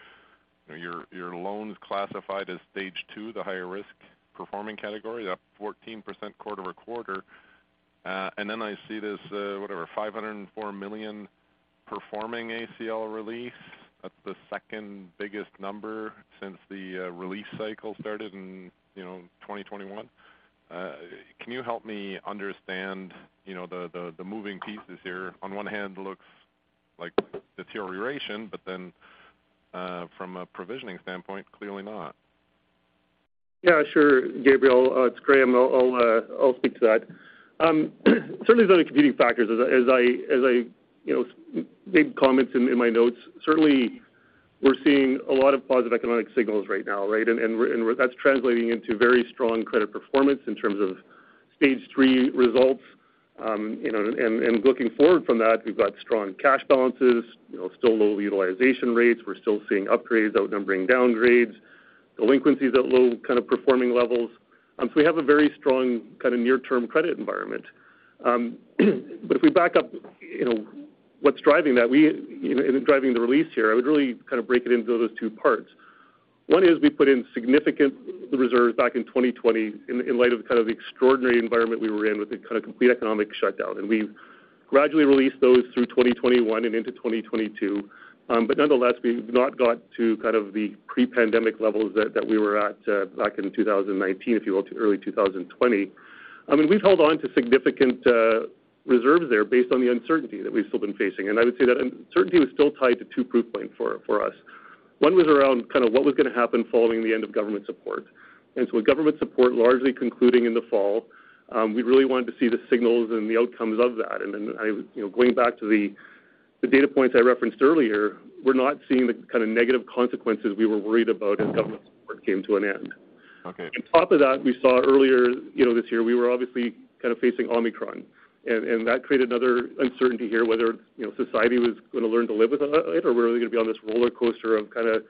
[SPEAKER 8] You know, your loans classified as stage two, the higher risk performing category, up 14% quarter-over-quarter. And then I see this whatever, 504 million performing ACL release. That's the second biggest number since the release cycle started in, you know, 2021. Can you help me understand, you know, the moving pieces here? On one hand, it looks like deterioration, but then, from a provisioning standpoint, clearly not.
[SPEAKER 5] Yeah, sure, Gabriel, it's Graeme. I'll speak to that. Certainly there's other competing factors. As I, you know, made comments in my notes, certainly we're seeing a lot of positive economic signals right now, right? That's translating into very strong credit performance in terms of stage three results. You know, and looking forward from that, we've got strong cash balances, you know, still low utilization rates. We're still seeing upgrades outnumbering downgrades, delinquencies at low kind of performing levels. So we have a very strong kind of near-term credit environment. If we back up, you know, what's driving that, we, you know, and driving the release here, I would really kind of break it into those two parts. One is we put in significant reserves back in 2020 in light of kind of the extraordinary environment we were in with the kind of complete economic shutdown, and we gradually released those through 2021 and into 2022. Nonetheless, we've not got to kind of the pre-pandemic levels that we were at back in 2019, if you will, to early 2020. I mean, we've held on to significant reserves there based on the uncertainty that we've still been facing. I would say that uncertainty was still tied to two proof points for us. One was around kind of what was going to happen following the end of government support. With government support largely concluding in the fall, we really wanted to see the signals and the outcomes of that. You know, going back to the data points I referenced earlier, we're not seeing the kind of negative consequences we were worried about as government support came to an end. On top of that, we saw earlier, you know, this year, we were obviously kind of facing Omicron. That created another uncertainty here whether, you know, society was going to learn to live with it, or were they going to be on this roller coaster of kind of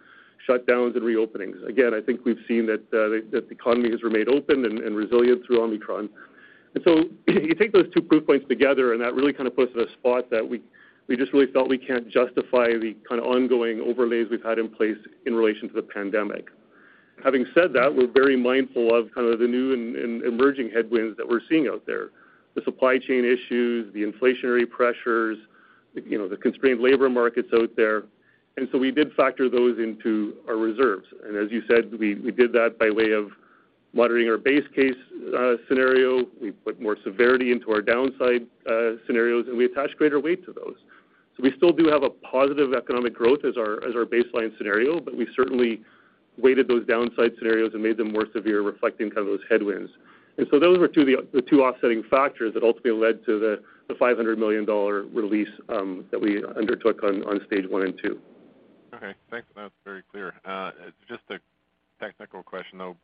[SPEAKER 5] shutdowns and re-openings. Again, I think we've seen that the economy has remained open and resilient through Omicron. You take those two proof points together, and that really kind of puts it in a spot that we just really felt we can't justify the kind of ongoing overlays we've had in place in relation to the pandemic. Having said that, we're very mindful of kind of the new and emerging headwinds that we're seeing out there, the supply chain issues, the inflationary pressures, you know, the constrained labor markets out there. We did factor those into our reserves. As you said, we did that by way of monitoring our base case scenario. We put more severity into our downside scenarios, and we attached greater weight to those. We still do have a positive economic growth as our baseline scenario, but we certainly weighted those downside scenarios and made them more severe, reflecting kind of those headwinds. Those were two of the two offsetting factors that ultimately led to the 500 million dollar release that we undertook on stage one and two.
[SPEAKER 8] Okay. Thanks. That's very clear. Just a technical question, though.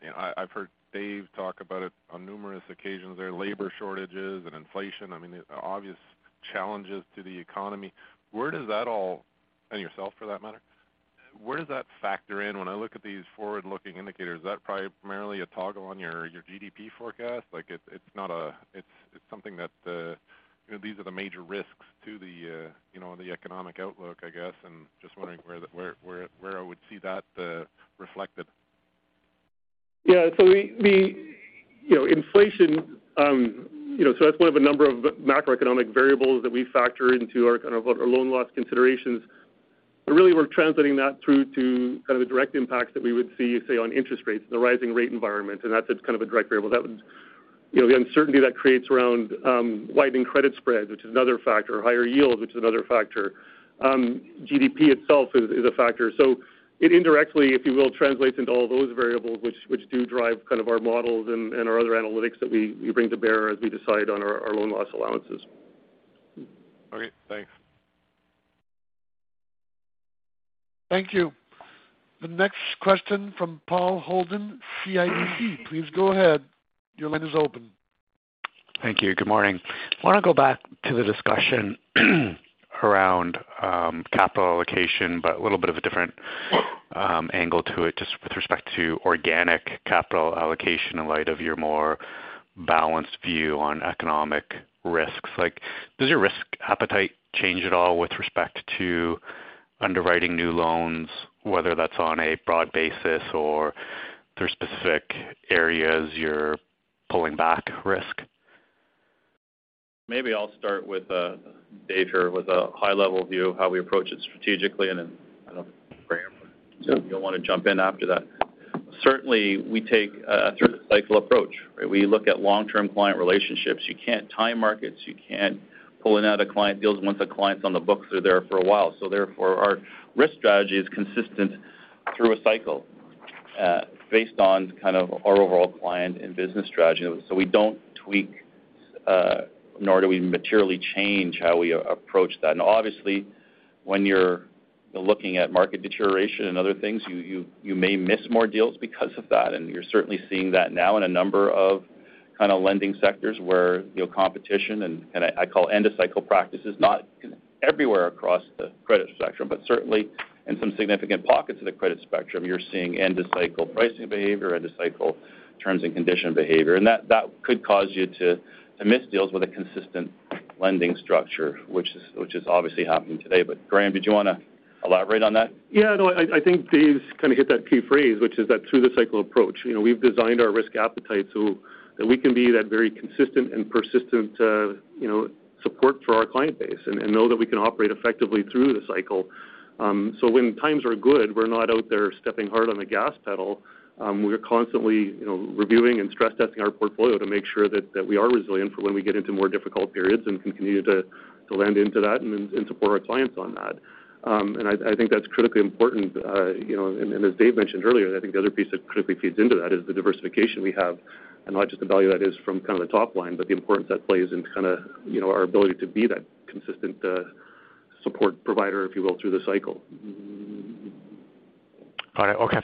[SPEAKER 8] You know, I've heard Dave talk about it on numerous occasions there, labor shortages and inflation, I mean, the obvious challenges to the economy. Where does that and yourself for that matter, where does that factor in when I look at these forward-looking indicators? Is that primarily a toggle on your GDP forecast? Like it's not a-- it's something that, you know, these are the major risks to the economic outlook, I guess. Just wondering where I would see that reflected. Yeah. We, you know, inflation, you know, that's one of a number of macroeconomic variables that we factor into our kind of loan loss considerations. But really we're translating that through to kind of the direct impacts that we would see, say, on interest rates, the rising rate environment, and that's kind of a direct variable. That would, you know, the uncertainty that creates around widening credit spreads, which is another factor, higher yield, which is another factor. GDP itself is a factor. It indirectly, if you will, translates into all those variables which do drive kind of our models and our other analytics that we bring to bear as we decide on our loan loss allowances. Okay, thanks.
[SPEAKER 1] Thank you. The next question from Paul Holden, CIBC. Please go ahead. Your line is open.
[SPEAKER 9] Thank you. Good morning. I want to go back to the discussion around capital allocation, but a little bit of a different angle to it just with respect to organic capital allocation in light of your more balanced view on economic risks. Like, does your risk appetite change at all with respect to underwriting new loans, whether that's on a broad basis or there are specific areas you're pulling back risk?
[SPEAKER 3] Maybe I'll start with Dave here with a high level view of how we approach it strategically, and then I don't know, Graeme, if you'll want to jump in after that. Certainly, we take a through-the-cycle approach, right? We look at long-term client relationships. You can't time markets, you can't pull in and out of client deals. Once a client's on the books, they're there for a while. Therefore, our risk strategy is consistent through a cycle, based on kind of our overall client and business strategy. We don't tweak, nor do we materially change how we approach that. Obviously, when you're looking at market deterioration and other things, you may miss more deals because of that. You're certainly seeing that now in a number of kind of lending sectors where, you know, competition and I call end-of-cycle practices, not everywhere across the credit spectrum, but certainly in some significant pockets of the credit spectrum, you're seeing end-of-cycle pricing behavior, end-of-cycle terms and condition behavior. That could cause you to miss deals with a consistent lending structure, which is obviously happening today. Graeme, did you want to elaborate on that?
[SPEAKER 5] Yeah. No, I think Dave kind of hit that key phrase, which is that through-the-cycle approach. You know, we've designed our risk appetite so that we can be that very consistent and persistent, you know, support for our client base and know that we can operate effectively through the cycle. When times are good, we're not out there stepping hard on the gas pedal. We're constantly, you know, reviewing and stress testing our portfolio to make sure that we are resilient for when we get into more difficult periods and continue to lend into that and support our clients on that. I think that's critically important. You know, as Dave mentioned earlier, I think the other piece that critically feeds into that is the diversification we have, and not just the value that is from kind of the top line, but the importance that plays in kind of, you know, our ability to be that consistent support provider, if you will, through the cycle.
[SPEAKER 9] All right. Okay.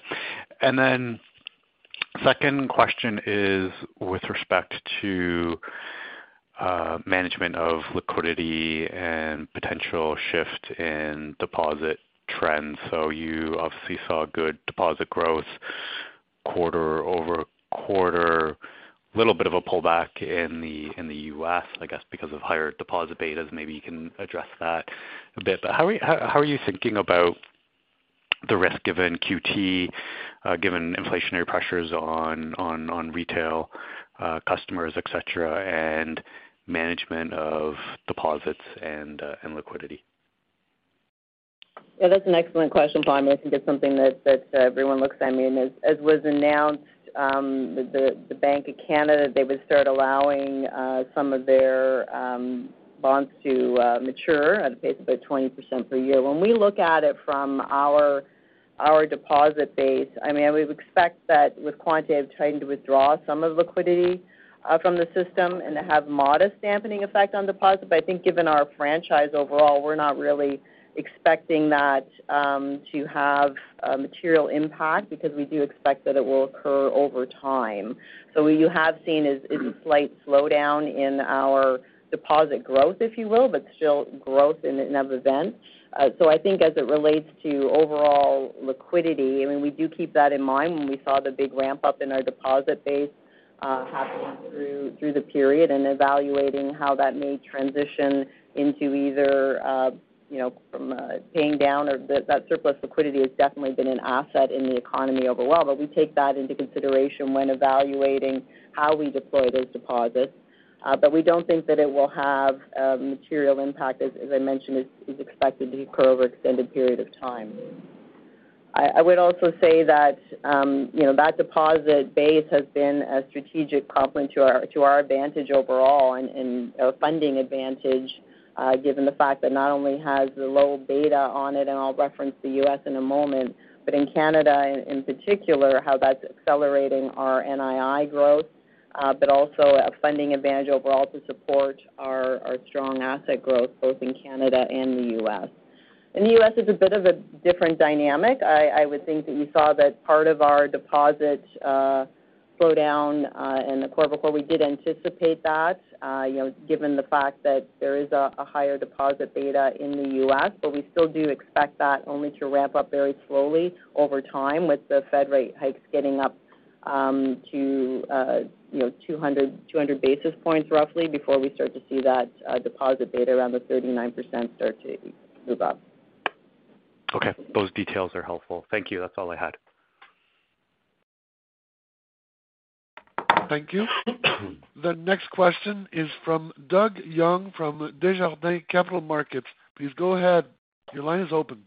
[SPEAKER 9] Second question is with respect to management of liquidity and potential shift in deposit trends. You obviously saw good deposit growth quarter-over-quarter, little bit of a pullback in the U.S., I guess, because of higher deposit betas. Maybe you can address that a bit. How are you thinking about the risk given QT, given inflationary pressures on retail customers, et cetera, and management of deposits and liquidity?
[SPEAKER 4] Yeah, that's an excellent question, Paul. I mean, I think it's something that everyone looks at. I mean, as was announced, the Bank of Canada, they would start allowing some of their bonds to mature at a pace of about 20% per year. When we look at it from our Our deposit base. I mean, we would expect that with quantitative tightening to withdraw some liquidity from the system and to have modest dampening effect on deposits. I think given our franchise overall, we're not really expecting that to have a material impact because we do expect that it will occur over time. What you have seen is a slight slowdown in our deposit growth, if you will, but still growth in and of itself. I think as it relates to overall liquidity, I mean, we do keep that in mind when we saw the big ramp up in our deposit base happening through the period and evaluating how that may transition into either, you know, paying down or that surplus liquidity has definitely been an asset in the economy overall. We take that into consideration when evaluating how we deploy those deposits. We don't think that it will have a material impact. As I mentioned, it's expected to occur over extended period of time. I would also say that, you know, that deposit base has been a strategic complement to our advantage overall and a funding advantage, given the fact that not only has the low beta on it, and I'll reference the U.S. in a moment, but in Canada in particular, how that's accelerating our NII growth, but also a funding advantage overall to support our strong asset growth, both in Canada and the U.S. In the U.S. it's a bit of a different dynamic. I would think that you saw that part of our deposit slow down in the quarter-over-quarter. We did anticipate that, you know, given the fact that there is a higher deposit beta in the U.S., but we still do expect that only to ramp up very slowly over time with the Fed rate hikes getting up to, you know, 200 basis points roughly before we start to see that deposit beta around the 39% start to move up.
[SPEAKER 9] Okay. Those details are helpful. Thank you. That's all I had.
[SPEAKER 1] Thank you. The next question is from Doug Young from Desjardins Capital Markets. Please go ahead. Your line is open.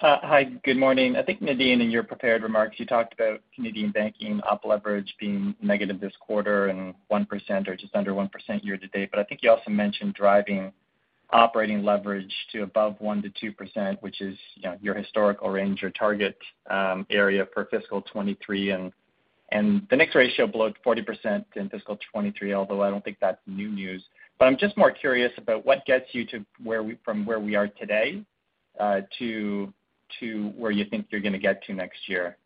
[SPEAKER 10] Hi. Good morning. I think, Nadine, in your prepared remarks, you talked about Canadian banking op leverage being negative this quarter and 1% or just under 1% year to date. I think you also mentioned driving operating leverage to above 1%-2%, which is, you know, your historical range or target, area for fiscal 2023, and the next ratio below 40% in fiscal 2023, although I don't think that's new news. I'm just more curious about what gets you to from where we are today, to where you think you're gonna get to next year.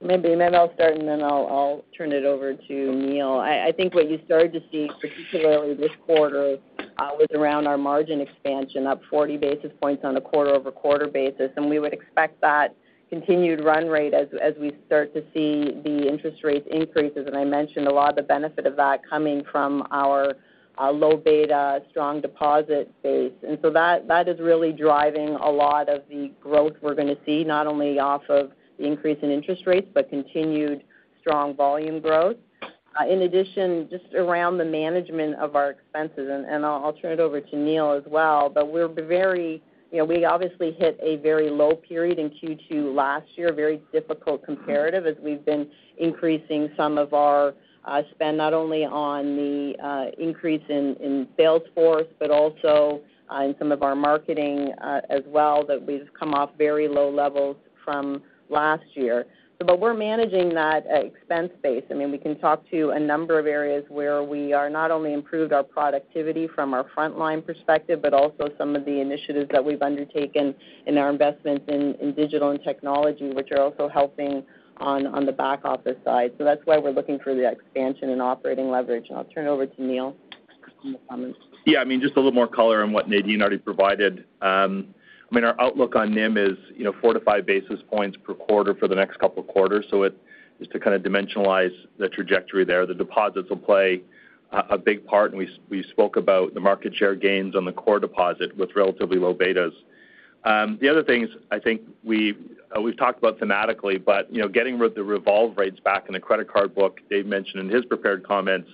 [SPEAKER 4] Maybe I'll start, and then I'll turn it over to Neil. I think what you started to see, particularly this quarter, was around our margin expansion, up 40 basis points on a quarter-over-quarter basis. We would expect that continued run rate as we start to see the interest rates increases. I mentioned a lot of the benefit of that coming from our low beta strong deposit base. That is really driving a lot of the growth we're gonna see not only off of the increase in interest rates, but continued strong volume growth. In addition, just around the management of our expenses, I'll turn it over to Neil as well, but we're very, you know, we obviously hit a very low period in Q2 last year, very difficult comparative as we've been increasing some of our spend not only on the increase in sales force, but also in some of our marketing as well, that we've come off very low levels from last year. We're managing that expense base. I mean, we can talk to a number of areas where we are not only improved our productivity from our frontline perspective, but also some of the initiatives that we've undertaken in our investments in digital and technology, which are also helping on the back office side. That's why we're looking for the expansion in operating leverage. I'll turn it over to Neil for more comments.
[SPEAKER 11] Yeah, I mean, just a little more color on what Nadine already provided. I mean, our outlook on NIM is, you know, 4-5 basis points per quarter for the next couple of quarters. It is to kind of dimensionalize the trajectory there. The deposits will play a big part, and we spoke about the market share gains on the core deposit with relatively low betas. The other things I think we've talked about thematically, but, you know, getting the revolve rates back in the credit card book, Dave mentioned in his prepared comments,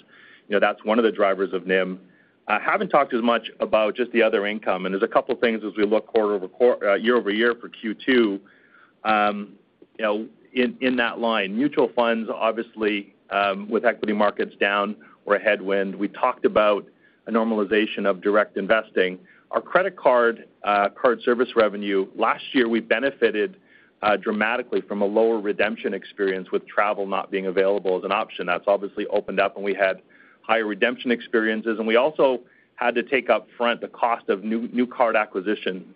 [SPEAKER 11] you know, that's one of the drivers of NIM. I haven't talked as much about just the other income, and there's a couple things as we look quarter-over-quarter, year-over-year for Q2, you know, in that line. Mutual funds, obviously, with equity markets down, were a headwind. We talked about a normalization of direct investing. Our credit card service revenue, last year, we benefited dramatically from a lower redemption experience with travel not being available as an option. That's obviously opened up, and we had higher redemption experiences. We also had to take up front the cost of new card acquisition,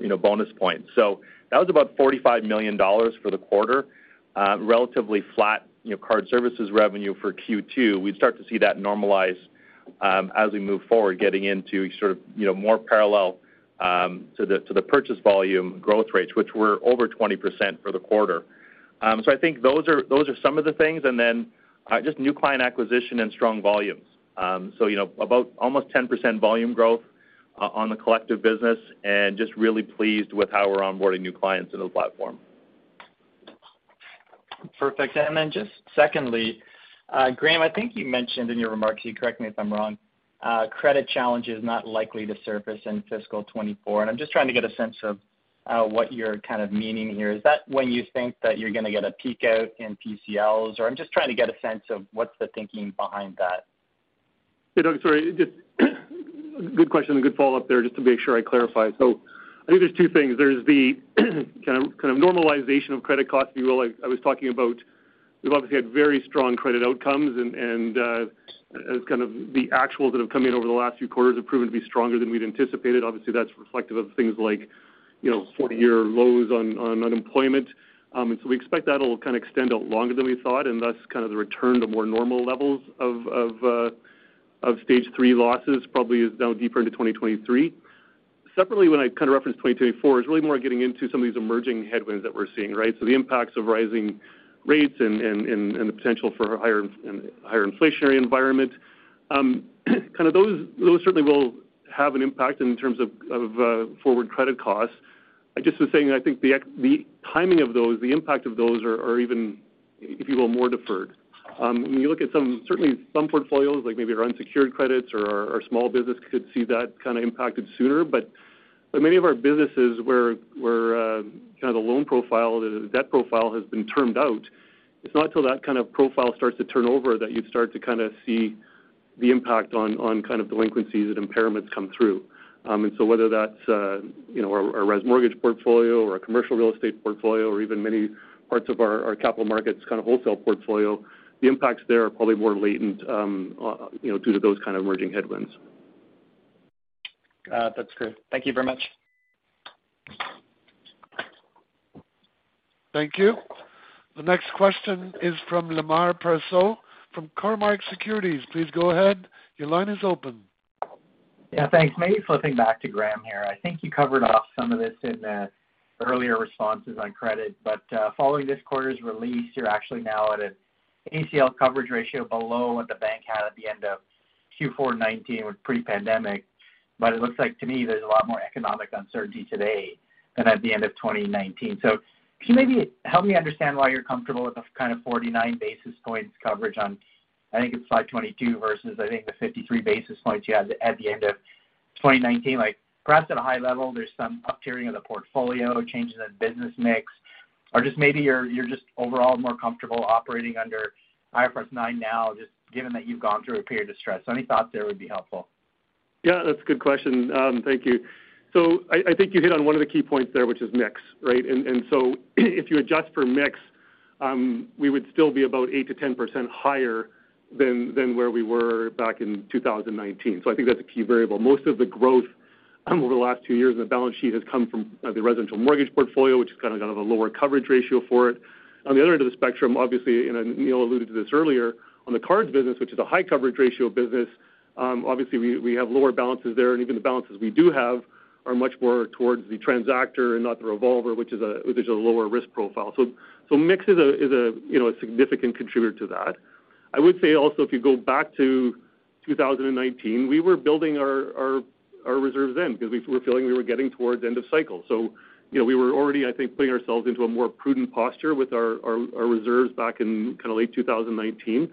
[SPEAKER 11] you know, bonus points. That was about 45 million dollars for the quarter, relatively flat, you know, card services revenue for Q2. We'd start to see that normalize as we move forward, getting into sort of, you know, more parallel to the purchase volume growth rates, which were over 20% for the quarter. I think those are some of the things, and then just new client acquisition and strong volumes. You know, about almost 10% volume growth on the collective business and just really pleased with how we're onboarding new clients into the platform.
[SPEAKER 10] Perfect. Just secondly, Graeme, I think you mentioned in your remarks, you correct me if I'm wrong, credit challenge is not likely to surface in fiscal 2024. I'm just trying to get a sense of what you're kind of meaning here. Is that when you think that you're gonna get a peak out in PCLs? I'm just trying to get a sense of what's the thinking behind that.
[SPEAKER 5] Yeah, Doug, sorry. Just good question and good follow-up there just to make sure I clarify. I think there's two things. There's the kind of normalization of credit costs, if you will. Like I was talking about, we've obviously had very strong credit outcomes and as kind of the actuals that have come in over the last few quarters have proven to be stronger than we'd anticipated. Obviously, that's reflective of things like, you know, 40-year lows on unemployment. We expect that'll kind of extend out longer than we thought, and thus kind of the return to more normal levels of stage three losses probably is now deeper into 2023. Separately, when I kind of referenced 2024, it's really more getting into some of these emerging headwinds that we're seeing, right? The impacts of rising rates and the potential for higher inflationary environment. Those certainly will have an impact in terms of forward credit costs. I just was saying, I think the timing of those, the impact of those are even, if you will, more deferred. When you look at some certainly some portfolios, like maybe our unsecured credits or our small business could see that kind of impacted sooner. But many of our businesses where kind of the loan profile, the debt profile has been termed out, it's not till that kind of profile starts to turn over that you'd start to kind of see the impact on kind of delinquencies and impairments come through. whether that's our res mortgage portfolio or our commercial real estate portfolio or even many parts of our capital markets kind of wholesale portfolio, the impacts there are probably more latent due to those kind of emerging headwinds.
[SPEAKER 10] That's great. Thank you very much.
[SPEAKER 1] Thank you. The next question is from Lemar Persaud from Cormark Securities. Please go ahead. Your line is open.
[SPEAKER 12] Yeah, thanks. Maybe flipping back to Graeme here. I think you covered off some of this in the earlier responses on credit. Following this quarter's release, you're actually now at an ACL coverage ratio below what the bank had at the end of Q4 2019 with pre-pandemic. It looks like to me there's a lot more economic uncertainty today than at the end of 2019. Can you maybe help me understand why you're comfortable with the kind of 49 basis points coverage on, I think it's slide 22 versus, I think, the 53 basis points you had at the end of 2019? Like, perhaps at a high level, there's some up-tiering of the portfolio, changes in business mix. Or just maybe you're just overall more comfortable operating under IFRS 9 now, just given that you've gone through a period of stress. Any thoughts there would be helpful.
[SPEAKER 5] Yeah, that's a good question. Thank you. I think you hit on one of the key points there, which is mix, right? If you adjust for mix, we would still be about 8%-10% higher than where we were back in 2019. I think that's a key variable. Most of the growth over the last two years in the balance sheet has come from the residential mortgage portfolio, which has kind of got a lower coverage ratio for it. On the other end of the spectrum, obviously, and Neil alluded to this earlier, on the cards business, which is a high coverage ratio business, obviously we have lower balances there, and even the balances we do have are much more towards the transactor and not the revolver, which is a lower risk profile. Mix is a, you know, a significant contributor to that. I would say also if you go back to 2019, we were building our reserves then because we were feeling we were getting towards end of cycle. You know, we were already, I think, putting ourselves into a more prudent posture with our reserves back in kind of late 2019.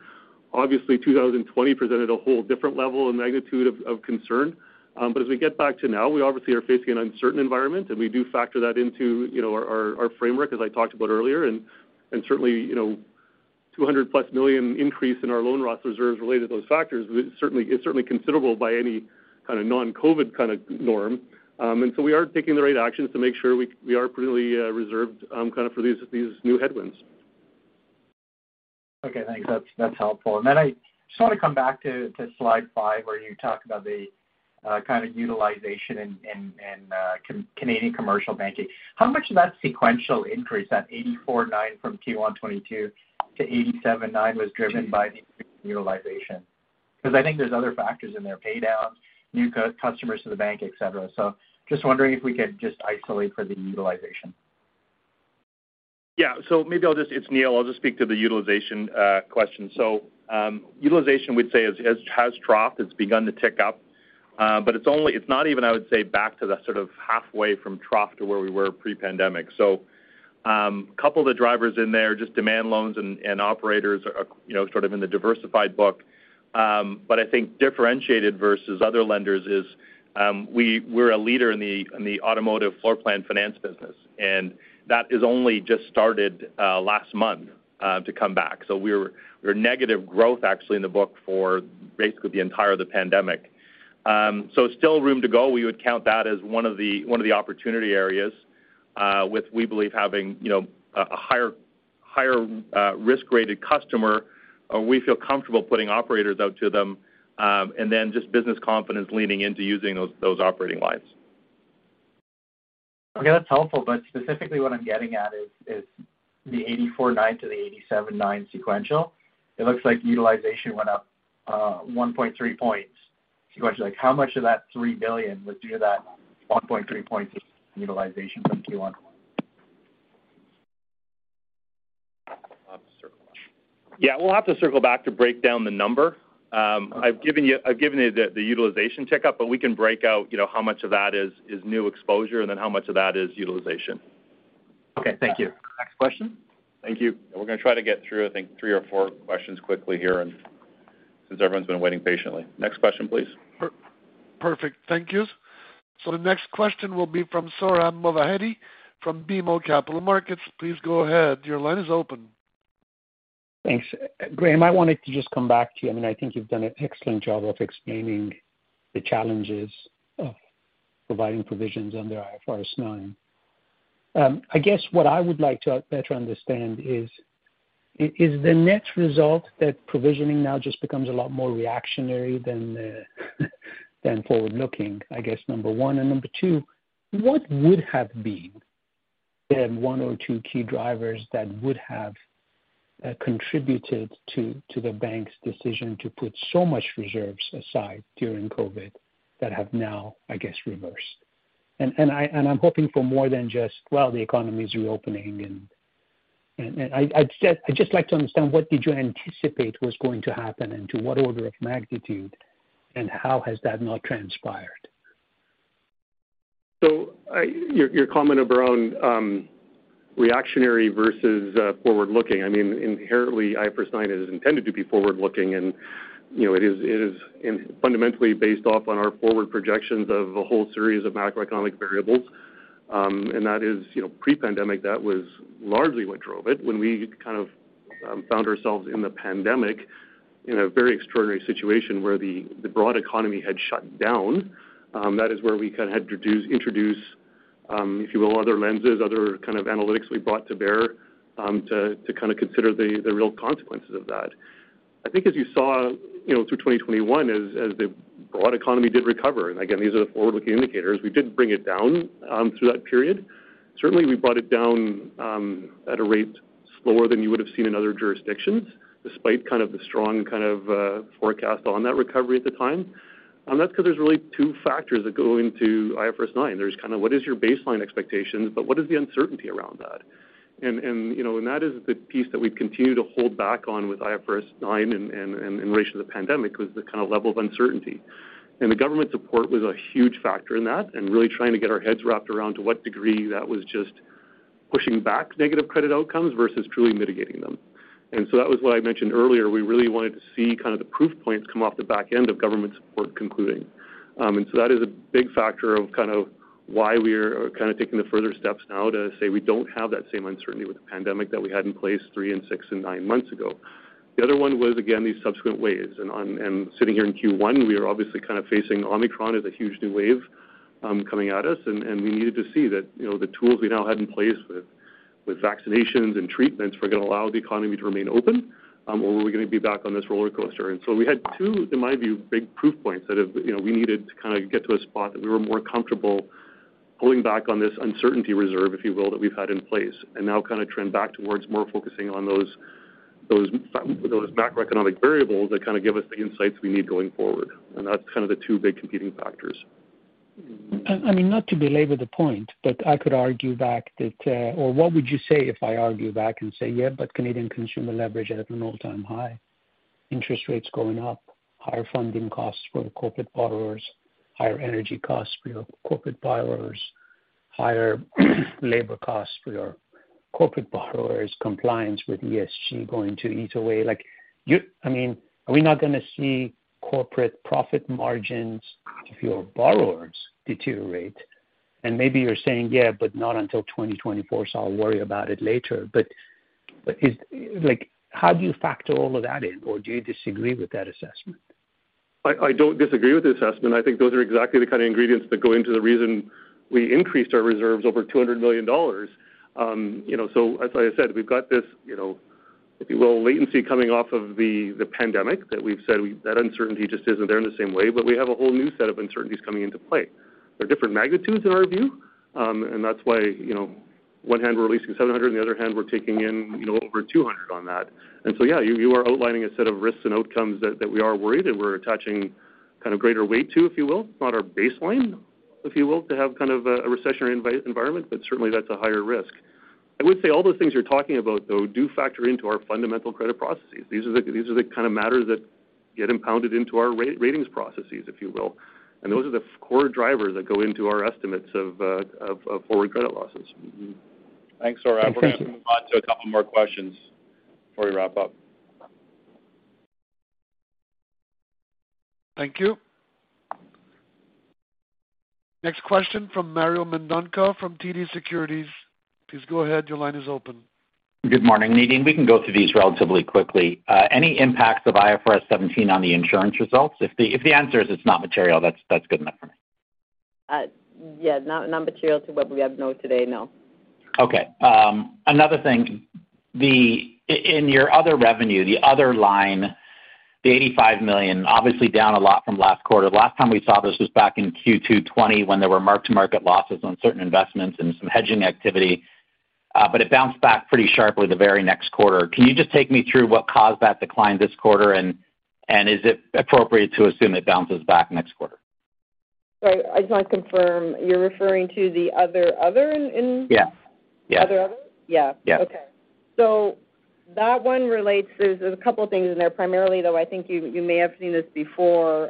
[SPEAKER 5] Obviously, 2020 presented a whole different level and magnitude of concern. As we get back to now, we obviously are facing an uncertain environment, and we do factor that into, you know, our framework, as I talked about earlier. Certainly, you know, 200+ million increase in our loan loss reserves related to those factors is certainly considerable by any kind of non-COVID kind of norm. We are taking the right actions to make sure we are prudently reserved kind of for these new headwinds.
[SPEAKER 12] Okay, thanks. That's helpful. I just want to come back to slide five, where you talk about the kind of utilization in Canadian commercial banking. How much of that sequential increase, that 84.9% from Q1 2022 to 87.9%, was driven by the utilization? Because I think there's other factors in there, paydowns, new customers to the bank, et cetera. Just wondering if we could just isolate for the utilization.
[SPEAKER 11] It's Neil. I'll just speak to the utilization question. Utilization we'd say has troughed. It's begun to tick up. It's not even, I would say, back to the sort of halfway from trough to where we were pre-pandemic. Couple of the drivers in there, just demand loans and operators are you know sort of in the diversified book. I think differentiated versus other lenders is we're a leader in the automotive floor plan finance business, and that is only just started last month to come back. We were negative growth actually in the book for basically the entire of the pandemic. Still room to go. We would count that as one of the opportunity areas, with, we believe, having, you know, a higher risk-rated customer. We feel comfortable putting operators out to them, and then just business confidence leaning into using those operating lines.
[SPEAKER 12] Okay, that's helpful. Specifically what I'm getting at is the 8.49%-8.79% sequential. It looks like utilization went up 1.3 points sequentially. Like, how much of that 3 billion was due to that 1.3 points utilization from Q1?
[SPEAKER 11] We'll have to circle back. Yeah, we'll have to circle back to break down the number. I've given you the utilization tick up, but we can break out, you know, how much of that is new exposure, and then how much of that is utilization.
[SPEAKER 12] Okay, thank you.
[SPEAKER 1] Next question.
[SPEAKER 11] Thank you. We're gonna try to get through, I think, three or four questions quickly here and since everyone's been waiting patiently. Next question, please.
[SPEAKER 1] Perfect. Thank you. The next question will be from Sohrab Movahedi from BMO Capital Markets. Please go ahead. Your line is open.
[SPEAKER 13] Thanks. Graeme, I wanted to just come back to you. I mean, I think you've done an excellent job of explaining the challenges of providing provisions under IFRS 9. I guess what I would like to better understand is the net result that provisioning now just becomes a lot more reactionary than forward-looking, I guess, number one. Number two, what would have been the one or two key drivers that would have contributed to the bank's decision to put so much reserves aside during COVID that have now, I guess, reversed. I'm hoping for more than just, well, the economy's reopening. I'd just like to understand what did you anticipate was going to happen and to what order of magnitude, and how has that not transpired.
[SPEAKER 5] Your comment around reactionary versus forward-looking. I mean, inherently IFRS 9 is intended to be forward-looking and, you know, it is fundamentally based on our forward projections of a whole series of macroeconomic variables. That is, you know, pre-pandemic, that was largely what drove it. When we kind of found ourselves in the pandemic in a very extraordinary situation where the broad economy had shut down, that is where we kind of had to introduce, if you will, other lenses, other kind of analytics we brought to bear, to kind of consider the real consequences of that. I think as you saw, you know, through 2021, as the broad economy did recover, and again, these are the forward-looking indicators, we did bring it down through that period. Certainly we brought it down at a rate slower than you would have seen in other jurisdictions, despite kind of the strong forecast on that recovery at the time. That's 'cause there's really two factors that go into IFRS 9. There's kind of what is your baseline expectations, but what is the uncertainty around that? You know, that is the piece that we continue to hold back on with IFRS 9 in relation to the pandemic, was the kind of level of uncertainty. The government support was a huge factor in that, and really trying to get our heads wrapped around to what degree that was just pushing back negative credit outcomes versus truly mitigating them. That was why I mentioned earlier, we really wanted to see kind of the proof points come off the back end of government support concluding. That is a big factor of kind of why we're kind of taking the further steps now to say we don't have that same uncertainty with the pandemic that we had in place three and six and nine months ago. The other one was, again, these subsequent waves. Sitting here in Q1, we are obviously kind of facing Omicron as a huge new wave, coming at us, and we needed to see that, you know, the tools we now had in place with vaccinations and treatments were gonna allow the economy to remain open, or were we gonna be back on this roller coaster? We had two, in my view, big proof points that have, you know, we needed to kind of get to a spot that we were more comfortable pulling back on this uncertainty reserve, if you will, that we've had in place, and now kind of trend back towards more focusing on those macroeconomic variables that kind of give us the insights we need going forward. That's kind of the two big competing factors.
[SPEAKER 13] I mean, not to belabor the point, but what would you say if I argue back and say, Yeah, but Canadian consumer leverage at an all-time high, interest rates going up, higher funding costs for the corporate borrowers, higher energy costs for your corporate borrowers, higher labor costs for your corporate borrowers, compliance with ESG going to eat away. Like, I mean, are we not gonna see corporate profit margins of your borrowers deteriorate? Maybe you're saying, Yeah, but not until 2024, so I'll worry about it later. But is like, how do you factor all of that in, or do you disagree with that assessment?
[SPEAKER 5] I don't disagree with the assessment. I think those are exactly the kind of ingredients that go into the reason we increased our reserves over 200 million dollars. You know, as I said, we've got this, you know, if you will, latency coming off of the pandemic that we've said that uncertainty just isn't there in the same way. But we have a whole new set of uncertainties coming into play. They're different magnitudes in our view, and that's why, you know, on the one hand we're releasing 700, on the other hand, we're taking in, you know, over 200 on that. Yeah, you are outlining a set of risks and outcomes that we are worried and we're attaching kind of greater weight to, if you will. Not our baseline, if you will, to have kind of a recessionary environment, but certainly that's a higher risk. I would say all those things you're talking about, though, do factor into our fundamental credit processes. These are the kind of matters that get impounded into our ratings processes, if you will. Those are the core drivers that go into our estimates of forward credit losses.
[SPEAKER 13] Thank you.
[SPEAKER 3] Thanks, Sohrab. We're gonna move on to a couple more questions before we wrap up.
[SPEAKER 1] Thank you. Next question from Mario Mendonca from TD Securities. Please go ahead, your line is open.
[SPEAKER 14] Good morning, Nadine. We can go through these relatively quickly. Any impacts of IFRS 17 on the insurance results? If the answer is it's not material, that's good enough for me.
[SPEAKER 4] Yeah, not material to what we know today, no.
[SPEAKER 14] Okay. Another thing. The in your other revenue, the other line, the 85 million, obviously down a lot from last quarter. Last time we saw this was back in Q2 2020 when there were mark-to-market losses on certain investments and some hedging activity, but it bounced back pretty sharply the very next quarter. Can you just take me through what caused that decline this quarter? And is it appropriate to assume it bounces back next quarter?
[SPEAKER 4] I just wanna confirm, you're referring to the other in
[SPEAKER 14] Yeah. Yeah.
[SPEAKER 4] Other? Yeah.
[SPEAKER 14] Yeah.
[SPEAKER 4] Okay. That one relates. There's a couple things in there. Primarily, though, I think you may have seen this before,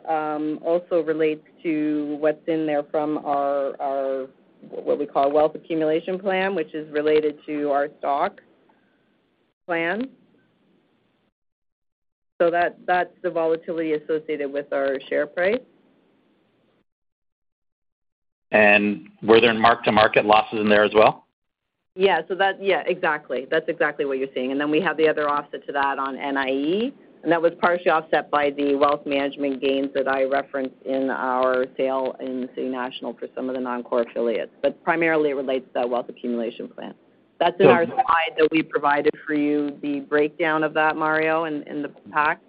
[SPEAKER 4] also relates to what's in there from our what we call wealth accumulation plan, which is related to our stock plan. That's the volatility associated with our share price.
[SPEAKER 14] Were there mark-to-market losses in there as well?
[SPEAKER 4] Yeah. Yeah, exactly. That's exactly what you're seeing. Then we have the other offset to that on NIE, and that was partially offset by the wealth management gains that I referenced in our sale in City National for some of the non-core affiliates. Primarily, it relates to that wealth accumulation plan. That's in our slide that we provided for you, the breakdown of that, Mario, in the pack.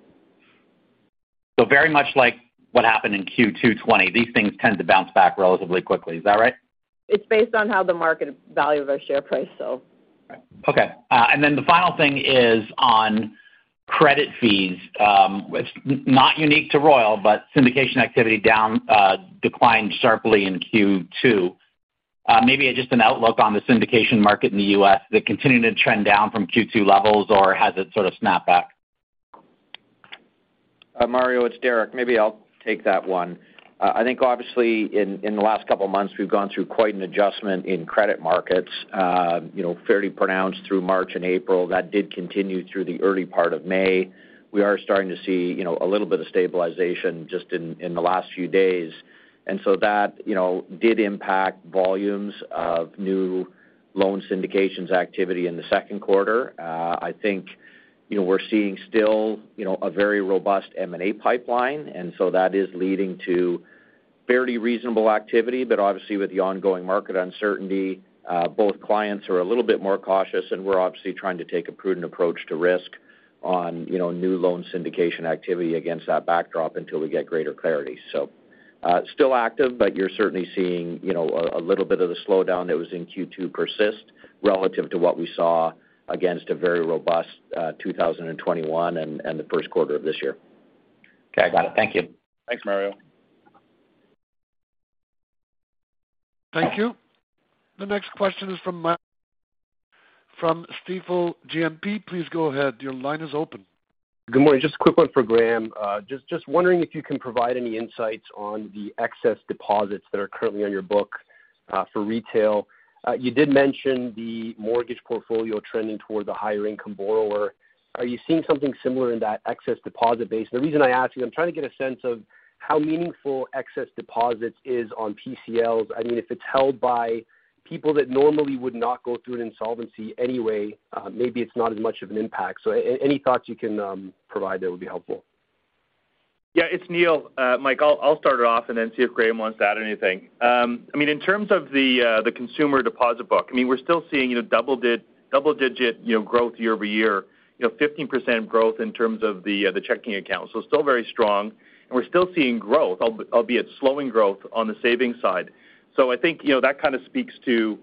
[SPEAKER 14] Very much like what happened in Q2 2020, these things tend to bounce back relatively quickly. Is that right?
[SPEAKER 4] It's based on how the market value of our share price, so.
[SPEAKER 14] The final thing is on credit fees. It's not unique to Royal, but syndication activity declined sharply in Q2. Maybe just an outlook on the syndication market in the U.S. Is it continuing to trend down from Q2 levels, or has it sort of snapped back?
[SPEAKER 15] Mario, it's Derek. Maybe I'll take that one. I think obviously in the last couple of months, we've gone through quite an adjustment in credit markets, you know, fairly pronounced through March and April. That did continue through the early part of May. We are starting to see, you know, a little bit of stabilization just in the last few days. That, you know, did impact volumes of new loan syndications activity in the second quarter. I think, you know, we're seeing still, you know, a very robust M&A pipeline, and so that is leading to fairly reasonable activity. But obviously, with the ongoing market uncertainty, both clients are a little bit more cautious, and we're obviously trying to take a prudent approach to risk on, you know, new loan syndication activity against that backdrop until we get greater clarity. Still active, but you're certainly seeing, you know, a little bit of the slowdown that was in Q2 persist relative to what we saw against a very robust 2021 and the first quarter of this year.
[SPEAKER 14] Okay. Got it. Thank you.
[SPEAKER 11] Thanks, Mario.
[SPEAKER 1] Thank you. The next question is from Stifel GMP. Please go ahead. Your line is open.
[SPEAKER 16] Good morning. Just a quick one for Graeme. Just wondering if you can provide any insights on the excess deposits that are currently on your book for retail. You did mention the mortgage portfolio trending toward the higher income borrower. Are you seeing something similar in that excess deposit base? The reason I ask you, I'm trying to get a sense of how meaningful excess deposits is on PCLs. I mean, if it's held by people that normally would not go through an insolvency anyway, maybe it's not as much of an impact. Any thoughts you can provide there would be helpful.
[SPEAKER 11] Yeah, it's Neil. Mike, I'll start it off and then see if Graeme wants to add anything. I mean, in terms of the consumer deposit book, we're still seeing, you know, double digit, you know, growth year-over-year. You know, 15% growth in terms of the checking account. Still very strong, and we're still seeing growth, albeit slowing growth on the savings side. I think, you know, that kind of speaks to, you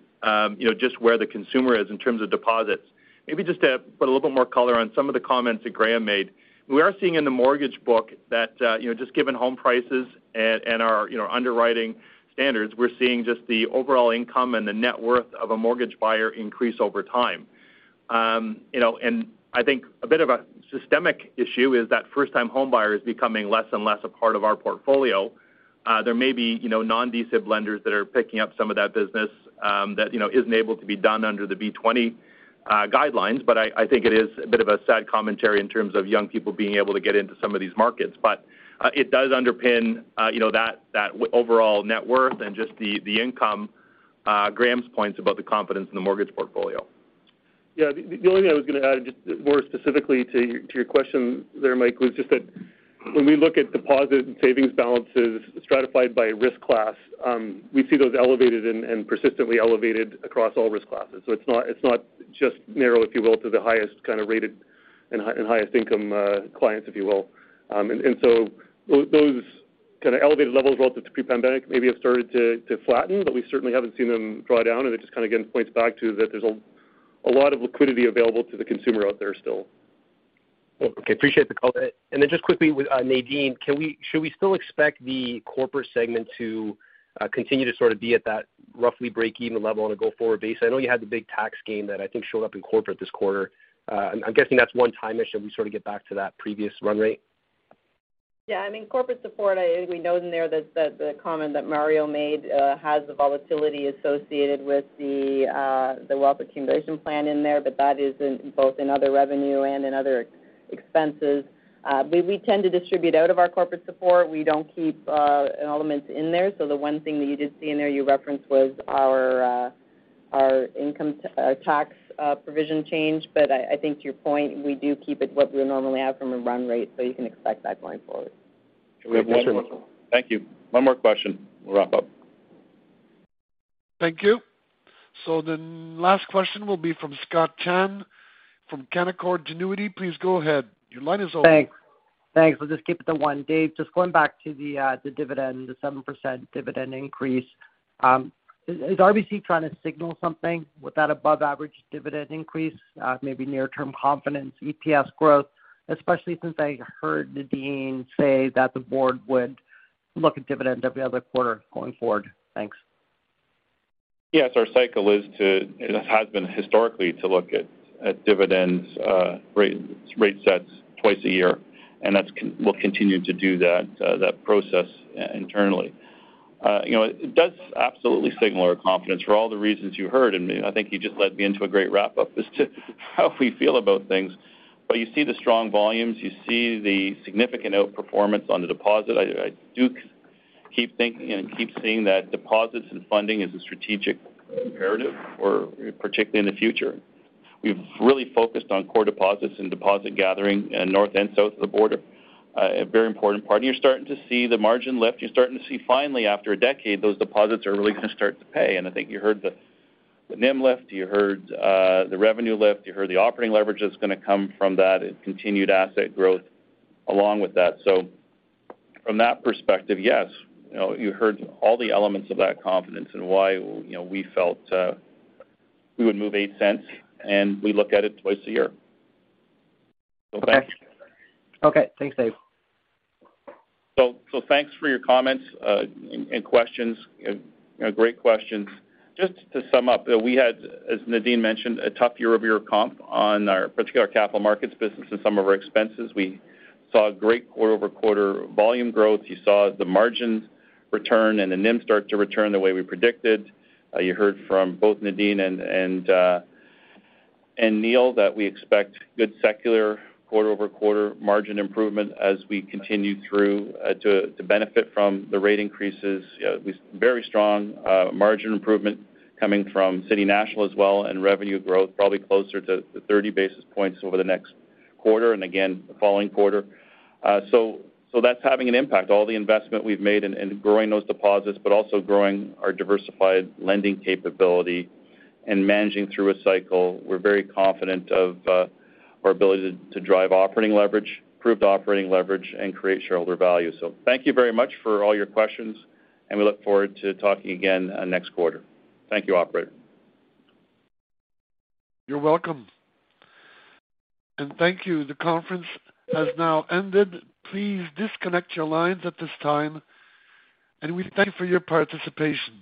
[SPEAKER 11] know, just where the consumer is in terms of deposits. Maybe just to put a little bit more color on some of the comments that Graeme made. We are seeing in the mortgage book that, you know, just given home prices and our, you know, underwriting standards, we're seeing just the overall income and the net worth of a mortgage buyer increase over time. You know, I think a bit of a systemic issue is that first-time homebuyer is becoming less and less a part of our portfolio. There may be, you know, non-DSIB lenders that are picking up some of that business, that, you know, isn't able to be done under the B-20 guidelines. I think it is a bit of a sad commentary in terms of young people being able to get into some of these markets. It does underpin, you know, that overall net worth and just the income, Graeme's points about the confidence in the mortgage portfolio.
[SPEAKER 5] Yeah. The only thing I was gonna add just more specifically to your question there, Mike, was just that when we look at deposit and savings balances stratified by risk class, we see those elevated and persistently elevated across all risk classes. It's not just narrow, if you will, to the highest kind of rated and highest income clients, if you will. Those kind of elevated levels relative to pre-pandemic maybe have started to flatten, but we certainly haven't seen them draw down. It just kind of, again, points back to that there's a lot of liquidity available to the consumer out there still.
[SPEAKER 17] Okay. Appreciate the color. Just quickly with Nadine, should we still expect the corporate segment to continue to sort of be at that roughly breakeven level on a go-forward basis? I know you had the big tax gain that I think showed up in corporate this quarter. I'm guessing that's one-time-ish, and we sort of get back to that previous run rate.
[SPEAKER 4] Yeah. I mean, corporate support, we note in there that the comment that Mario made has the volatility associated with the wealth accumulation plan in there, but that is in both in other revenue and in other expenses. We tend to distribute out of our corporate support. We don't keep elements in there. So the one thing that you did see in there you referenced was our income tax provision change. I think to your point, we do keep it what we would normally have from a run rate, so you can expect that going forward.
[SPEAKER 17] Great. Thanks so much.
[SPEAKER 1] Thank you.
[SPEAKER 11] Thank you.
[SPEAKER 1] One more question. We'll wrap up. Thank you. The last question will be from Scott Chan from Canaccord Genuity. Please go ahead. Your line is open.
[SPEAKER 18] Thanks. I'll just keep it to one. Dave, just going back to the dividend, the 7% dividend increase. Is RBC trying to signal something with that above average dividend increase, maybe near term confidence, EPS growth, especially since I heard Nadine say that the board would look at dividend every other quarter going forward? Thanks.
[SPEAKER 3] Yes, it has been historically to look at dividends, rate sets twice a year, and we'll continue to do that process internally. You know, it does absolutely signal our confidence for all the reasons you heard. I think you just led me into a great wrap-up as to how we feel about things. You see the strong volumes, you see the significant outperformance on the deposit. I do keep thinking and keep seeing that deposits and funding is a strategic imperative, or particularly in the future. We've really focused on core deposits and deposit gathering in north and south of the border. A very important part. You're starting to see the margin lift. You're starting to see finally, after a decade, those deposits are really gonna start to pay. I think you heard the NIM lift, you heard the revenue lift, you heard the operating leverage that's gonna come from that and continued asset growth along with that. From that perspective, yes. You know, you heard all the elements of that confidence and why, you know, we felt we would move 0.08, and we look at it twice a year. Thank you.
[SPEAKER 18] Okay. Okay, thanks, Dave.
[SPEAKER 3] Thanks for your comments and questions. You know, great questions. Just to sum up, we had, as Nadine mentioned, a tough year-over-year comp on our particular capital markets business and some of our expenses. We saw great quarter-over-quarter volume growth. You saw the margins return and the NIM start to return the way we predicted. You heard from both Nadine and Neil that we expect good secular quarter-over-quarter margin improvement as we continue to benefit from the rate increases. You know, with very strong margin improvement coming from City National as well, and revenue growth probably closer to the 30 basis points over the next quarter and again the following quarter. That's having an impact. All the investment we've made in growing those deposits but also growing our diversified lending capability and managing through a cycle. We're very confident of our ability to drive operating leverage, improved operating leverage, and create shareholder value. Thank you very much for all your questions, and we look forward to talking again, next quarter. Thank you, operator.
[SPEAKER 1] You're welcome. Thank you. The conference has now ended. Please disconnect your lines at this time, and we thank you for your participation.